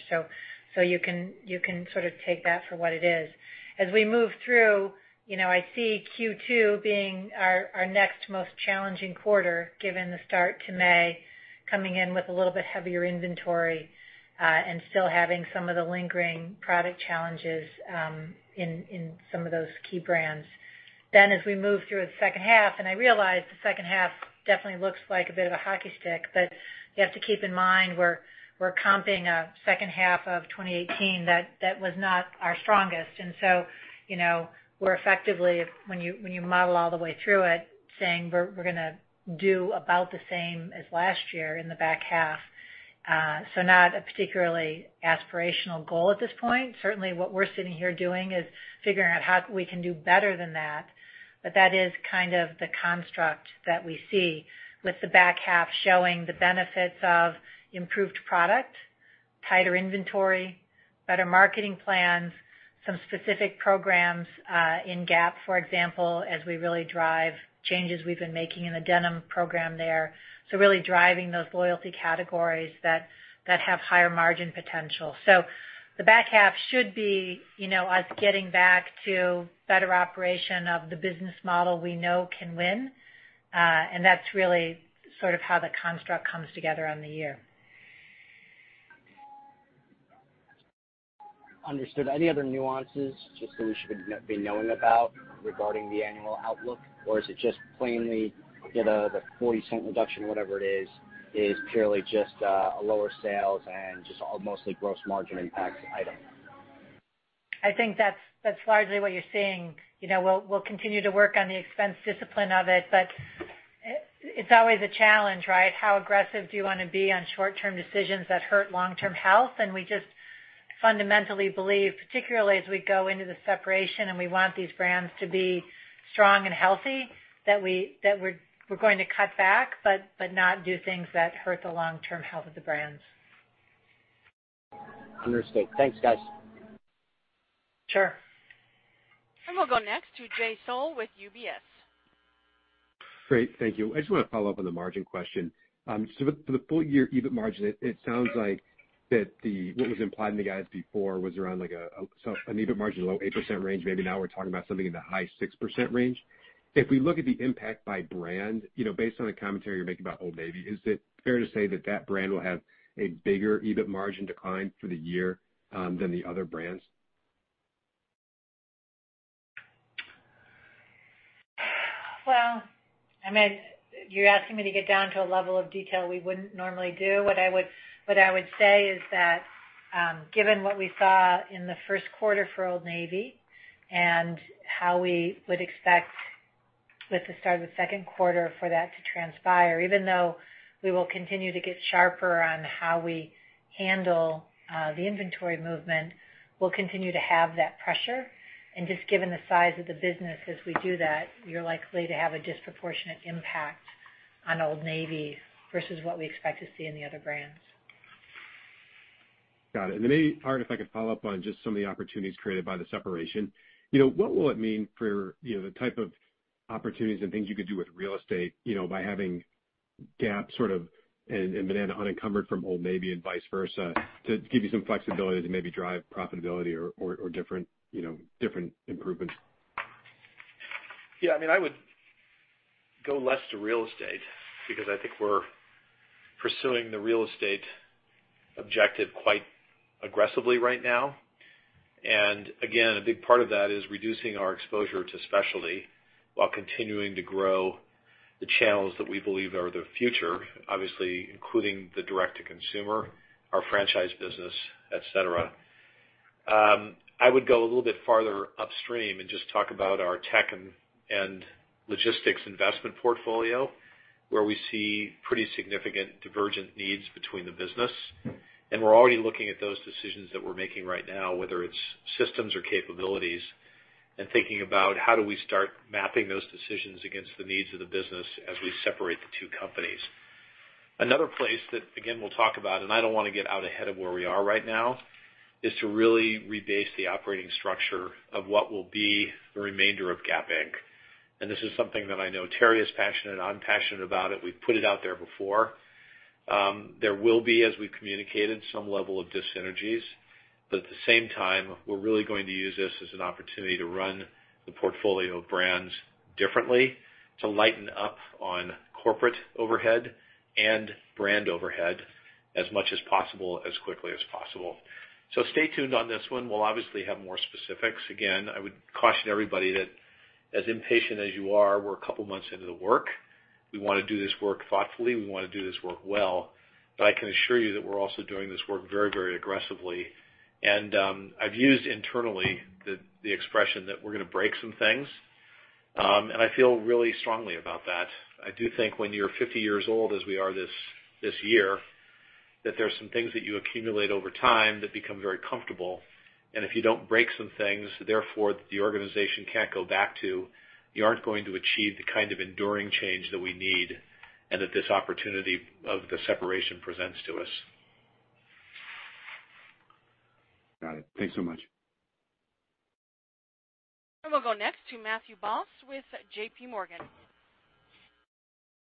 You can sort of take that for what it is. As we move through, I see Q2 being our next most challenging quarter, given the start to May, coming in with a little bit heavier inventory, and still having some of the lingering product challenges in some of those key brands. As we move through the second half, I realize the second half definitely looks like a bit of a hockey stick, you have to keep in mind we're comping a second half of 2018 that was not our strongest. We're effectively, when you model all the way through it, saying we're gonna do about the same as last year in the back half. Not a particularly aspirational goal at this point. Certainly, what we're sitting here doing is figuring out how we can do better than that. That is kind of the construct that we see with the back half showing the benefits of improved product, tighter inventory, better marketing plans, some specific programs, in Gap, for example, as we really drive changes we've been making in the denim program there. Really driving those loyalty categories that have higher margin potential. The back half should be us getting back to better operation of the business model we know can win. That's really sort of how the construct comes together on the year. Understood. Any other nuances just that we should be knowing about regarding the annual outlook, or is it just plainly, the $0.40 reduction, whatever it is purely just a lower sales and just a mostly gross margin impact item? I think that's largely what you're seeing. We'll continue to work on the expense discipline of it, but it's always a challenge, right? How aggressive do you want to be on short-term decisions that hurt long-term health? We just fundamentally believe, particularly as we go into the separation and we want these brands to be strong and healthy, that we're going to cut back, but not do things that hurt the long-term health of the brands. Understood. Thanks, guys. Sure. We'll go next to Jay Sole with UBS. Great. Thank you. I just want to follow up on the margin question. For the full year EBIT margin, it sounds like that what was implied in the guidance before was around an EBIT margin low 8% range. Maybe now we're talking about something in the high 6% range. If we look at the impact by brand, based on the commentary you're making about Old Navy, is it fair to say that brand will have a bigger EBIT margin decline for the year, than the other brands? Well, you're asking me to get down to a level of detail we wouldn't normally do. What I would say is that, given what we saw in the first quarter for Old Navy, and how we would expect with the start of the second quarter for that to transpire, even though we will continue to get sharper on how we handle the inventory movement, we'll continue to have that pressure. Just given the size of the business as we do that, you're likely to have a disproportionate impact on Old Navy versus what we expect to see in the other brands. Got it. Maybe, Art, if I could follow up on just some of the opportunities created by the separation. What will it mean for the type of opportunities and things you could do with real estate, by having Gap sort of, and Banana unencumbered from Old Navy and vice versa, to give you some flexibility to maybe drive profitability or different improvements? Yeah, I would go less to real estate because I think we're pursuing the real estate objective quite aggressively right now. Again, a big part of that is reducing our exposure to specialty while continuing to grow the channels that we believe are the future, obviously including the direct-to-consumer, our franchise business, et cetera. I would go a little bit farther upstream and just talk about our tech and logistics investment portfolio, where we see pretty significant divergent needs between the business. We're already looking at those decisions that we're making right now, whether it's systems or capabilities, and thinking about how do we start mapping those decisions against the needs of the business as we separate the two companies. Another place that, again, we'll talk about, and I don't want to get out ahead of where we are right now, is to really rebase the operating structure of what will be the remainder of Gap Inc. This is something that I know Teri is passionate, I'm passionate about it. We've put it out there before. There will be, as we communicated, some level of dysenergies, but at the same time, we're really going to use this as an opportunity to run the portfolio of brands differently, to lighten up on corporate overhead and brand overhead as much as possible, as quickly as possible. Stay tuned on this one. We'll obviously have more specifics. Again, I would caution everybody that as impatient as you are, we're a couple months into the work. We want to do this work thoughtfully. We want to do this work well. I can assure you that we're also doing this work very aggressively. I've used internally the expression that we're going to break some things. I feel really strongly about that. I do think when you're 50 years old, as we are this year, that there's some things that you accumulate over time that become very comfortable. If you don't break some things, therefore the organization can't go back to, you aren't going to achieve the kind of enduring change that we need and that this opportunity of the separation presents to us. Got it. Thanks so much. We'll go next to Matthew Boss with JPMorgan.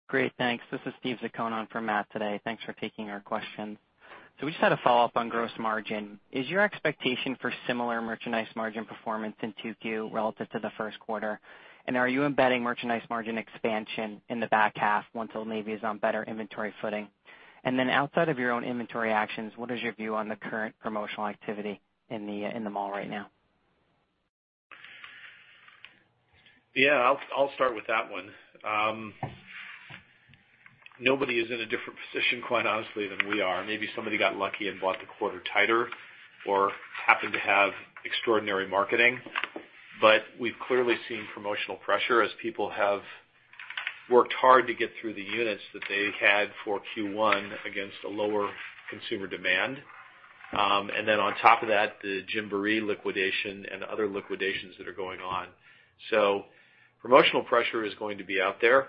Great, thanks. This is Steve Zaiconon for Matt today. Thanks for taking our questions. We just had a follow-up on gross margin. Is your expectation for similar merchandise margin performance in 2Q relative to the first quarter? Are you embedding merchandise margin expansion in the back half once Old Navy is on better inventory footing? Outside of your own inventory actions, what is your view on the current promotional activity in the mall right now? Yeah, I'll start with that one. Nobody is in a different position, quite honestly, than we are. Maybe somebody got lucky and bought the quarter tighter or happened to have extraordinary marketing. We've clearly seen promotional pressure as people have worked hard to get through the units that they had for Q1 against a lower consumer demand. On top of that, the Gymboree liquidation and other liquidations that are going on. Promotional pressure is going to be out there.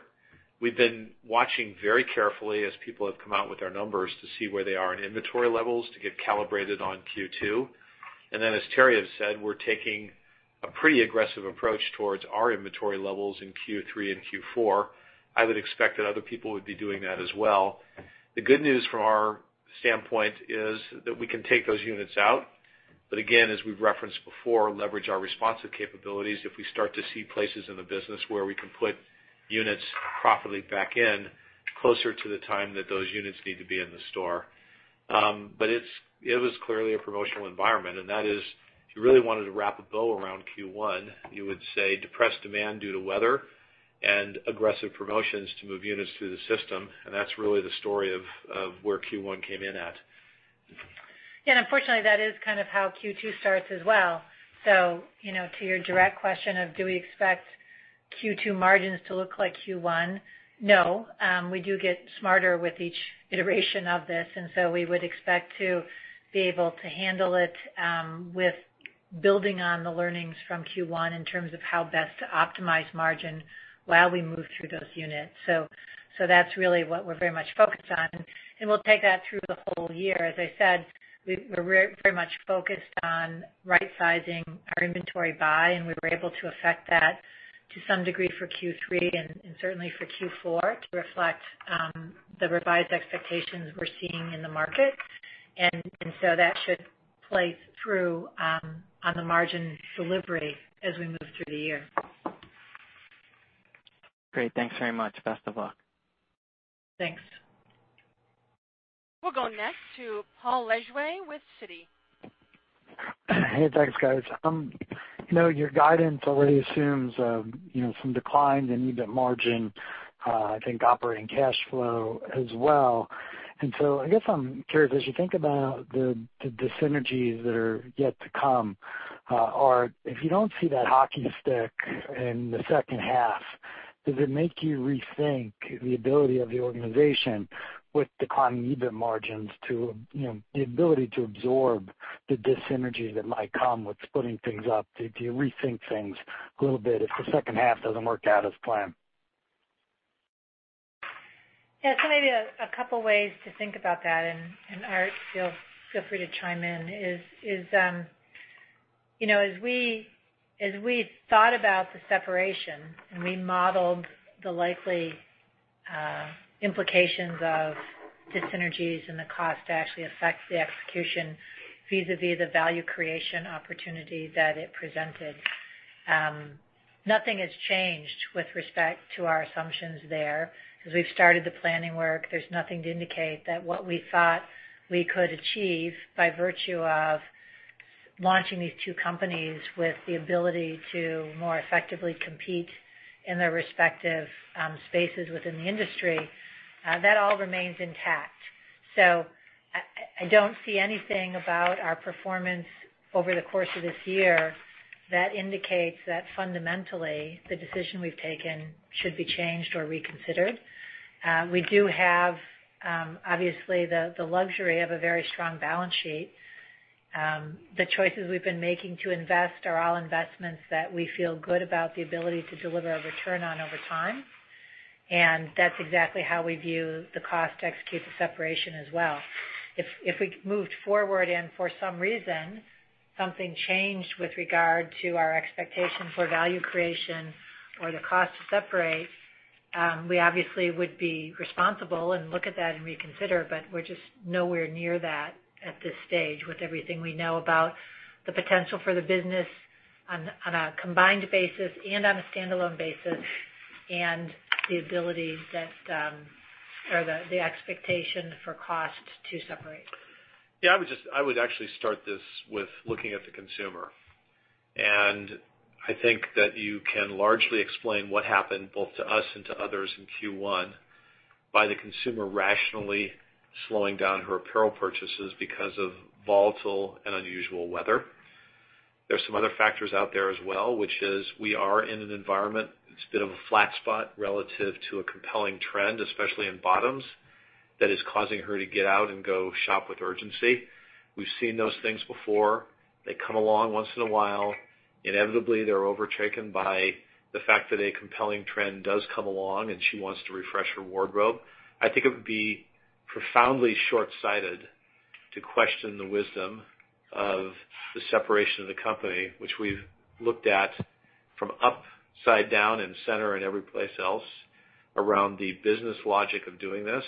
We've been watching very carefully as people have come out with their numbers to see where they are in inventory levels to get calibrated on Q2. As Teri has said, we're taking a pretty aggressive approach towards our inventory levels in Q3 and Q4. I would expect that other people would be doing that as well. The good news from our standpoint is that we can take those units out, but again, as we've referenced before, leverage our responsive capabilities if we start to see places in the business where we can put units profitably back in closer to the time that those units need to be in the store. It was clearly a promotional environment, and that is, if you really wanted to wrap a bow around Q1, you would say depressed demand due to weather and aggressive promotions to move units through the system, and that's really the story of where Q1 came in at. Yeah. Unfortunately, that is kind of how Q2 starts as well. To your direct question of do we expect Q2 margins to look like Q1? No. We do get smarter with each iteration of this, and so we would expect to be able to handle it with building on the learnings from Q1 in terms of how best to optimize margin while we move through those units. That's really what we're very much focused on, and we'll take that through the whole year. As I said, we're very much focused on right-sizing our inventory buy, and we were able to affect that to some degree for Q3 and certainly for Q4 to reflect the revised expectations we're seeing in the market. That should play through, on the margin delivery as we move through the year. Great. Thanks very much. Best of luck. Thanks. We'll go next to Paul Lejuez with Citi. Hey, thanks, guys. Your guidance already assumes some declines in EBIT margin, I think operating cash flow as well. I guess I'm curious, as you think about the synergies that are yet to come, Art, if you don't see that hockey stick in the second half, does it make you rethink the ability of the organization with declining EBIT margins to, the ability to absorb the dis-synergy that might come with splitting things up? Do you rethink things a little bit if the second half doesn't work out as planned? Yeah. Maybe a couple ways to think about that, and Art, feel free to chime in, is as we thought about the separation and we modeled the likely implications of dis-synergies and the cost to actually affect the execution vis-a-vis the value creation opportunity that it presented. Nothing has changed with respect to our assumptions there. As we've started the planning work, there's nothing to indicate that what we thought we could achieve by virtue of launching these two companies with the ability to more effectively compete in their respective spaces within the industry, that all remains intact. I don't see anything about our performance over the course of this year that indicates that fundamentally the decision we've taken should be changed or reconsidered. We do have, obviously, the luxury of a very strong balance sheet. The choices we've been making to invest are all investments that we feel good about the ability to deliver a return on over time, and that's exactly how we view the cost to execute the separation as well. If we moved forward and for some reason, something changed with regard to our expectation for value creation or the cost to separate, we obviously would be responsible and look at that and reconsider, but we're just nowhere near that at this stage with everything we know about the potential for the business on a combined basis and on a standalone basis and the ability that, or the expectation for cost to separate. Yeah, I would actually start this with looking at the consumer. I think that you can largely explain what happened both to us and to others in Q1 by the consumer rationally slowing down her apparel purchases because of volatile and unusual weather. There's some other factors out there as well, which is we are in an environment that's a bit of a flat spot relative to a compelling trend, especially in bottoms, that is causing her to get out and go shop with urgency. We've seen those things before. They come along once in a while. Inevitably, they're overtaken by the fact that a compelling trend does come along, and she wants to refresh her wardrobe. I think it would be profoundly shortsighted to question the wisdom of the separation of the company, which we've looked at from upside down and center and every place else around the business logic of doing this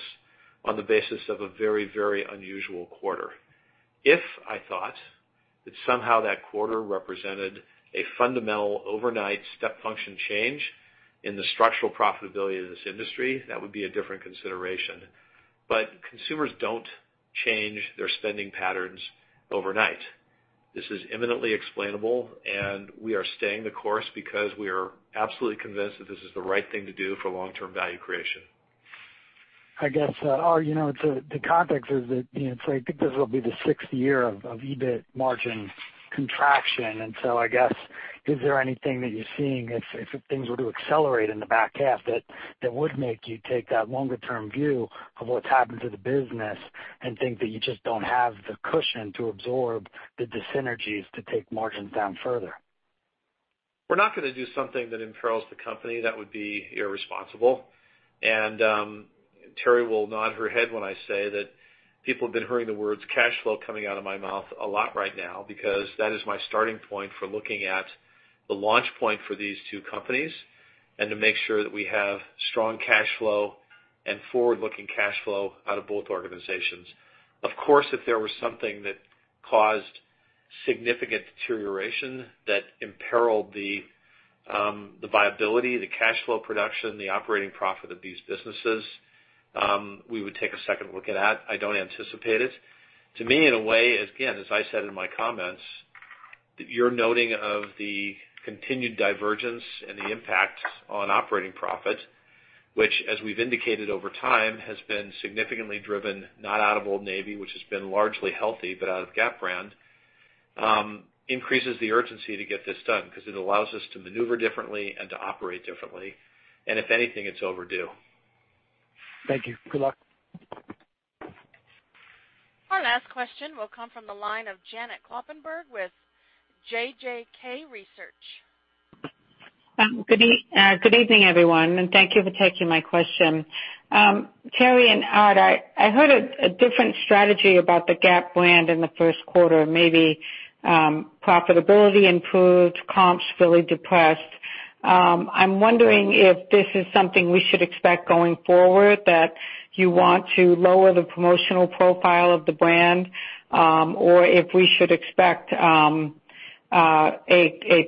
on the basis of a very, very unusual quarter. If I thought that somehow that quarter represented a fundamental overnight step function change in the structural profitability of this industry, that would be a different consideration. Consumers don't change their spending patterns overnight. This is imminently explainable, and we are staying the course because we are absolutely convinced that this is the right thing to do for long-term value creation. I guess, Art, the context is that, so I think this will be the sixth year of EBIT margin contraction. I guess, is there anything that you're seeing if things were to accelerate in the back half that would make you take that longer-term view of what's happened to the business and think that you just don't have the cushion to absorb the dis-synergies to take margins down further? We're not going to do something that imperils the company. That would be irresponsible. Teri will nod her head when I say that people have been hearing the words cash flow coming out of my mouth a lot right now, because that is my starting point for looking at the launch point for these two companies, and to make sure that we have strong cash flow and forward-looking cash flow out of both organizations. Of course, if there was something that caused significant deterioration that imperiled the viability, the cash flow production, the operating profit of these businesses, we would take a second look at that. I don't anticipate it. To me, in a way, again, as I said in my comments, your noting of the continued divergence and the impact on operating profit, which, as we've indicated over time, has been significantly driven, not out of Old Navy, which has been largely healthy, but out of Gap brand, increases the urgency to get this done, because it allows us to maneuver differently and to operate differently. If anything, it's overdue. Thank you. Good luck. Our last question will come from the line of Janet Kloppenburg with JJK Research. Good evening, everyone, and thank you for taking my question. Teri and Art, I heard a different strategy about the Gap brand in the first quarter, maybe profitability improved, comps fairly depressed. I'm wondering if this is something we should expect going forward, that you want to lower the promotional profile of the brand, or if we should expect a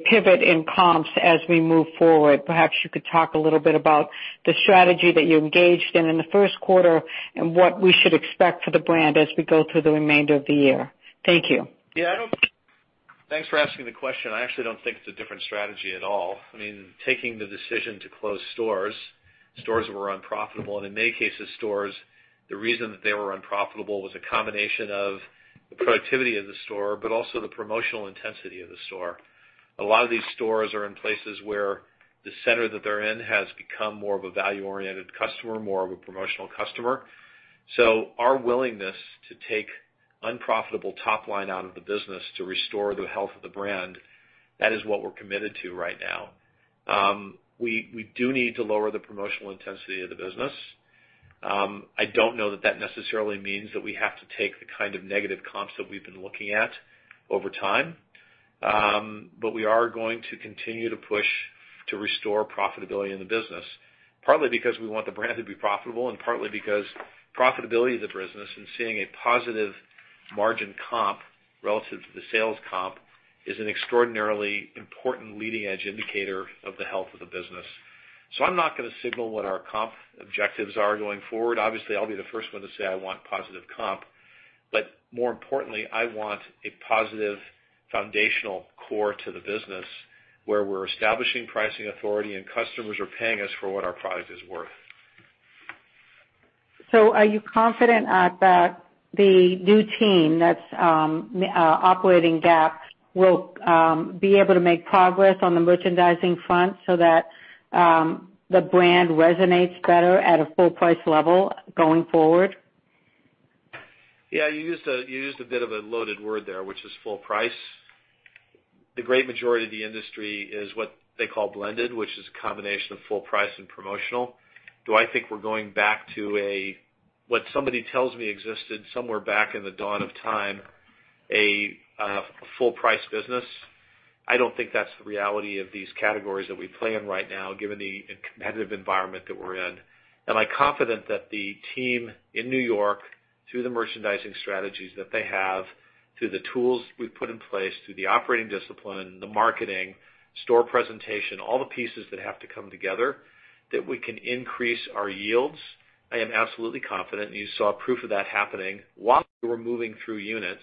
pivot in comps as we move forward. Perhaps you could talk a little bit about the strategy that you engaged in in the first quarter, and what we should expect for the brand as we go through the remainder of the year. Thank you. Yeah. Thanks for asking the question. I actually don't think it's a different strategy at all. Taking the decision to close stores that were unprofitable, and in many cases, stores, the reason that they were unprofitable was a combination of the productivity of the store, but also the promotional intensity of the store. A lot of these stores are in places where the center that they're in has become more of a value-oriented customer, more of a promotional customer. Our willingness to take unprofitable top line out of the business to restore the health of the brand, that is what we're committed to right now. We do need to lower the promotional intensity of the business. I don't know that that necessarily means that we have to take the kind of negative comps that we've been looking at over time. We are going to continue to push to restore profitability in the business, partly because we want the brand to be profitable, and partly because profitability of the business and seeing a positive margin comp relative to the sales comp is an extraordinarily important leading-edge indicator of the health of the business. I'm not going to signal what our comp objectives are going forward. Obviously, I'll be the first one to say I want positive comp. More importantly, I want a positive foundational core to the business where we're establishing pricing authority and customers are paying us for what our product is worth. Are you confident, Art, that the new team that's operating Gap will be able to make progress on the merchandising front so that the brand resonates better at a full price level going forward? Yeah, you used a bit of a loaded word there, which is full price. The great majority of the industry is what they call blended, which is a combination of full price and promotional. Do I think we're going back to a, what somebody tells me existed somewhere back in the dawn of time, a full price business? I don't think that's the reality of these categories that we play in right now, given the competitive environment that we're in. Am I confident that the team in New York, through the merchandising strategies that they have, through the tools we've put in place, through the operating discipline, the marketing, store presentation, all the pieces that have to come together, that we can increase our yields? I am absolutely confident, you saw proof of that happening while we were moving through units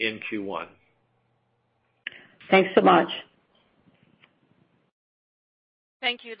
in Q1. Thanks so much. Thank you.